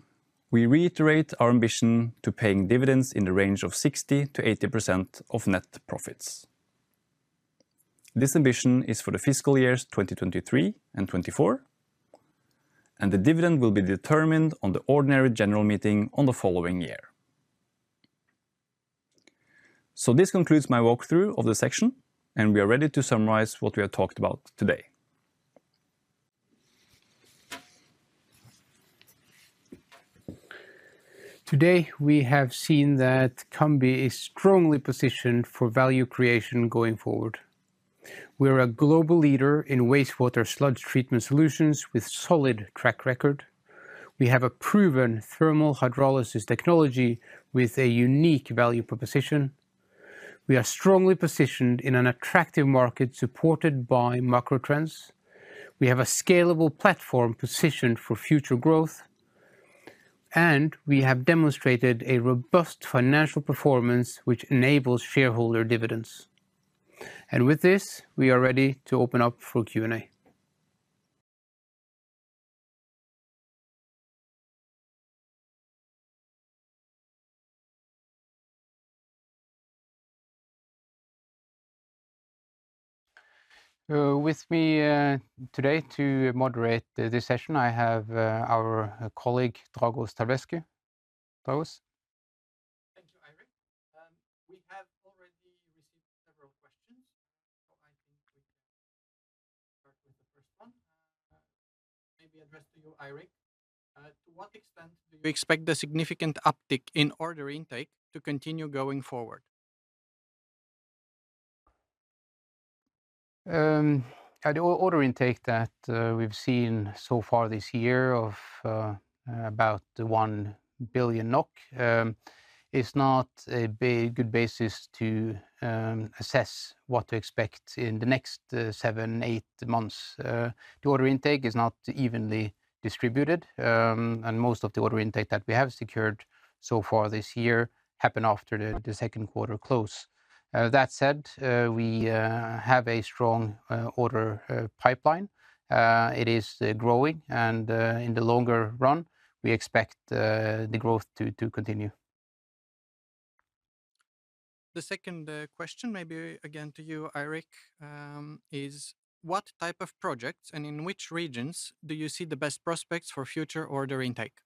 we reiterate our ambition to paying dividends in the range of 60%-80% of net profits. This ambition is for the fiscal years 2023 and 2024, and the dividend will be determined on the ordinary general meeting on the following year. This concludes my walkthrough of the section, and we are ready to summarize what we have talked about today.
Today, we have seen that Cambi is strongly positioned for value creation going forward. We are a global leader in wastewater sludge treatment solutions with solid track record. We have a proven thermal hydrolysis technology with a unique value proposition. We are strongly positioned in an attractive market, supported by macro trends. We have a scalable platform positioned for future growth, and we have demonstrated a robust financial performance, which enables shareholder dividends. With this, we are ready to open up for Q&A. With me today to moderate this session, I have our colleague, Dragoș Tâlvescu. Dragoș?
Thank you, Eirik. We have already received several questions, so I think we can start with the first one, maybe addressed to you, Eirik. To what extent do you expect the significant uptick in order intake to continue going forward?
The order intake that we've seen so far this year of about 1 billion NOK is not a good basis to assess what to expect in the next seven, eight months. The order intake is not evenly distributed, and most of the order intake that we have secured so far this year happened after the second quarter close. That said, we have a strong order pipeline. It is growing, and in the longer run, we expect the growth to continue.
The second question, maybe again to you, Eirik, is: What type of projects and in which regions do you see the best prospects for future order intake?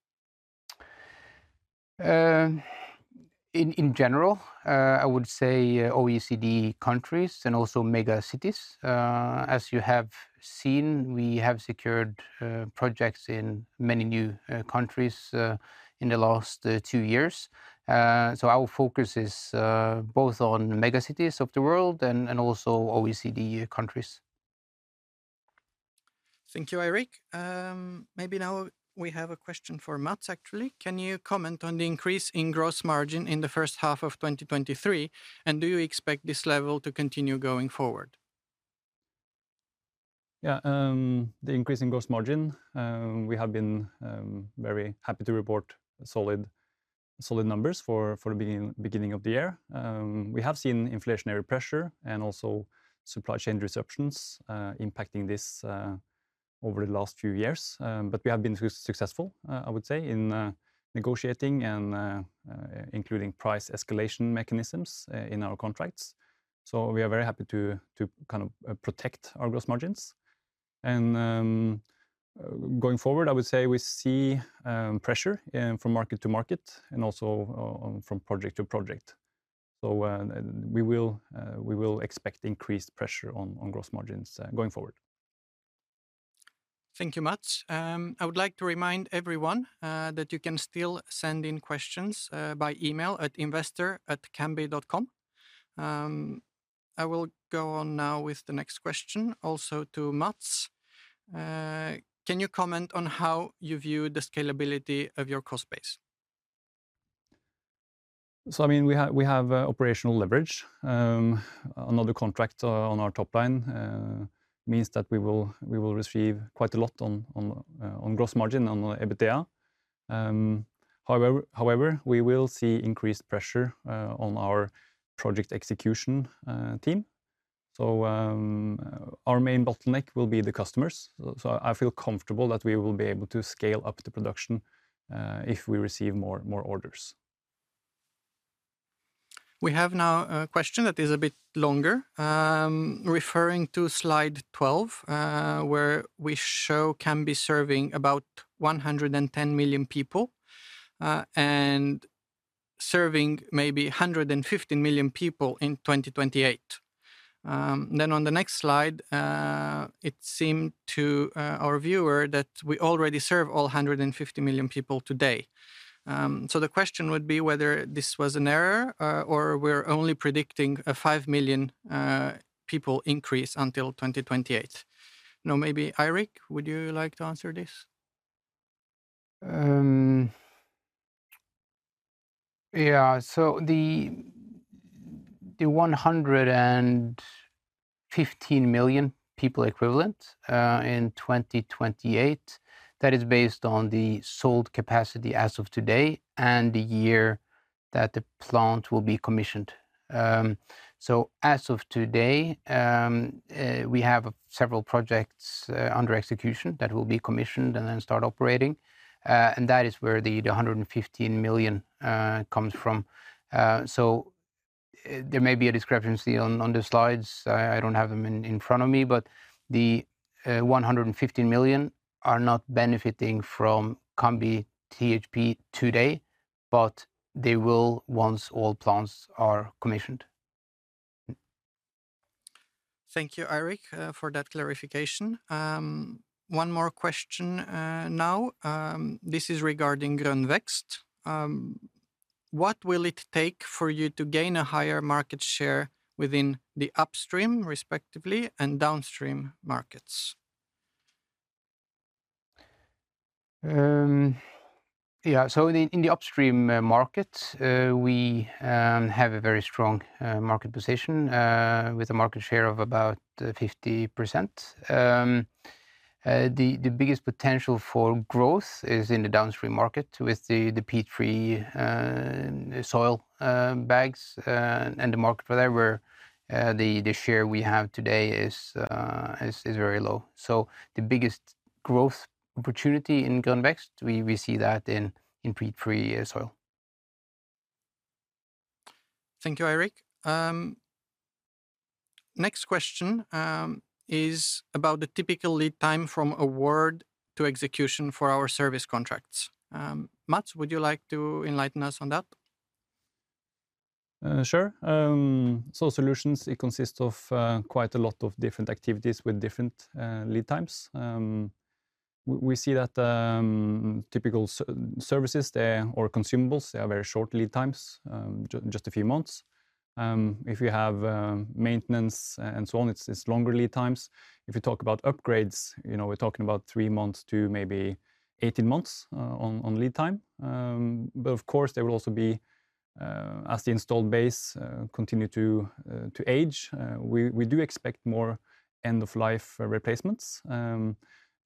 In general, I would say OECD countries and also mega cities. As you have seen, we have secured projects in many new countries in the last two years. So our focus is both on mega cities of the world and also OECD countries.
Thank you, Eirik. Maybe now we have a question for Mats, actually. Can you comment on the increase in gross margin in the first half of 2023, and do you expect this level to continue going forward?
Yeah, the increase in gross margin, we have been very happy to report solid numbers for the beginning of the year. We have seen inflationary pressure and also supply chain disruptions impacting this over the last few years. But we have been successful, I would say, in negotiating and including price escalation mechanisms in our contracts. So we are very happy to kind of protect our gross margins. And, going forward, I would say we see pressure from market to market and also from project to project. So, we will expect increased pressure on gross margins going forward.
Thank you, Mats. I would like to remind everyone that you can still send in questions by email at investor@cambi.com. I will go on now with the next question, also to Mats. Can you comment on how you view the scalability of your cost base?
So, I mean, we have, we have, operational leverage. Another contract on our top line means that we will, we will receive quite a lot on, on, on gross margin, on the EBITDA. However, however, we will see increased pressure on our project execution team. So, our main bottleneck will be the customers. So I feel comfortable that we will be able to scale up the production if we receive more, more orders.
We have now a question that is a bit longer. Referring to slide 12, where we show Cambi serving about 110 million people, and serving maybe 150 million people in 2028. Then on the next slide, it seemed to our viewer that we already serve all 150 million people today. So the question would be whether this was an error, or we're only predicting a 5 million people increase until 2028. Now, maybe, Eirik, would you like to answer this?
Yeah, so the 115 million people equivalent in 2028, that is based on the sold capacity as of today, and the year that the plant will be commissioned. So as of today, we have several projects under execution that will be commissioned and then start operating, and that is where the 115 million comes from. So there may be a discrepancy on the slides. I don't have them in front of me, but the 115 million are not benefiting from Cambi THP today, but they will once all plants are commissioned.
Thank you, Eirik, for that clarification. One more question, now. This is regarding Grønn Vekst. What will it take for you to gain a higher market share within the upstream, respectively, and downstream markets?
Yeah, so in the upstream market, we have a very strong market position with a market share of about 50%. The biggest potential for growth is in the downstream market with the peat-free soil bags, and the market where there were... The share we have today is very low. So the biggest growth opportunity in Grønn Vekst, we see that in peat-free soil.
Thank you, Eirik. Next question is about the typical lead time from award to execution for our service contracts. Mats, would you like to enlighten us on that?
Sure. So solutions, it consists of quite a lot of different activities with different lead times. We see that typical services, they, or consumables, they have very short lead times, just a few months. If you have maintenance and so on, it's longer lead times. If you talk about upgrades, you know, we're talking about 3 months to maybe 18 months on lead time. But of course, there will also be, as the installed base continue to age, we do expect more end-of-life replacements.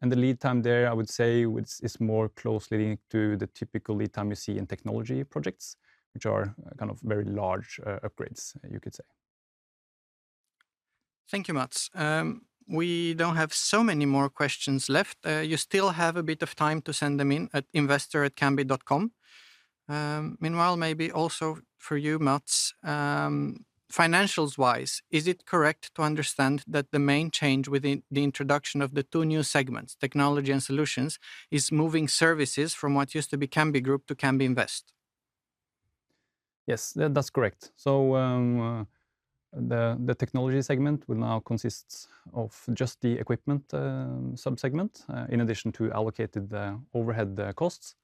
And the lead time there, I would say, which is more closely linked to the typical lead time you see in technology projects, which are kind of very large upgrades, you could say.
Thank you, Mats. We don't have so many more questions left. You still have a bit of time to send them in at investor@cambi.com. Meanwhile, maybe also for you, Mats, financials-wise, is it correct to understand that the main change within the introduction of the two new segments, technology and solutions, is moving services from what used to be Cambi Group to Cambi Invest?
Yes, that's correct. So, the technology segment will now consist of just the equipment sub-segment, in addition to the allocated overhead costs.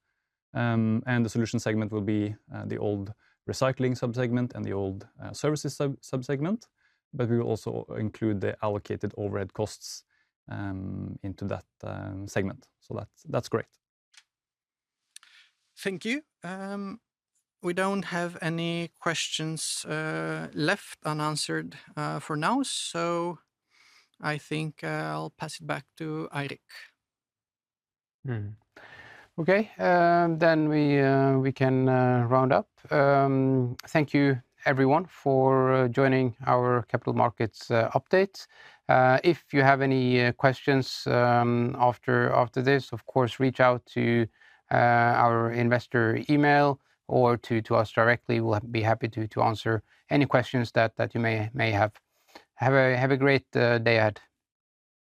And the solution segment will be the old recycling sub-segment and the old services sub-segment, but we will also include the allocated overhead costs into that segment. So that's correct.
Thank you. We don't have any questions left unanswered for now, so I think I'll pass it back to Eirik.
Mm-hmm. Okay, then we can round up. Thank you, everyone, for joining our capital markets update. If you have any questions after this, of course, reach out to our investor email or to us directly. We'll be happy to answer any questions that you may have. Have a great day ahead.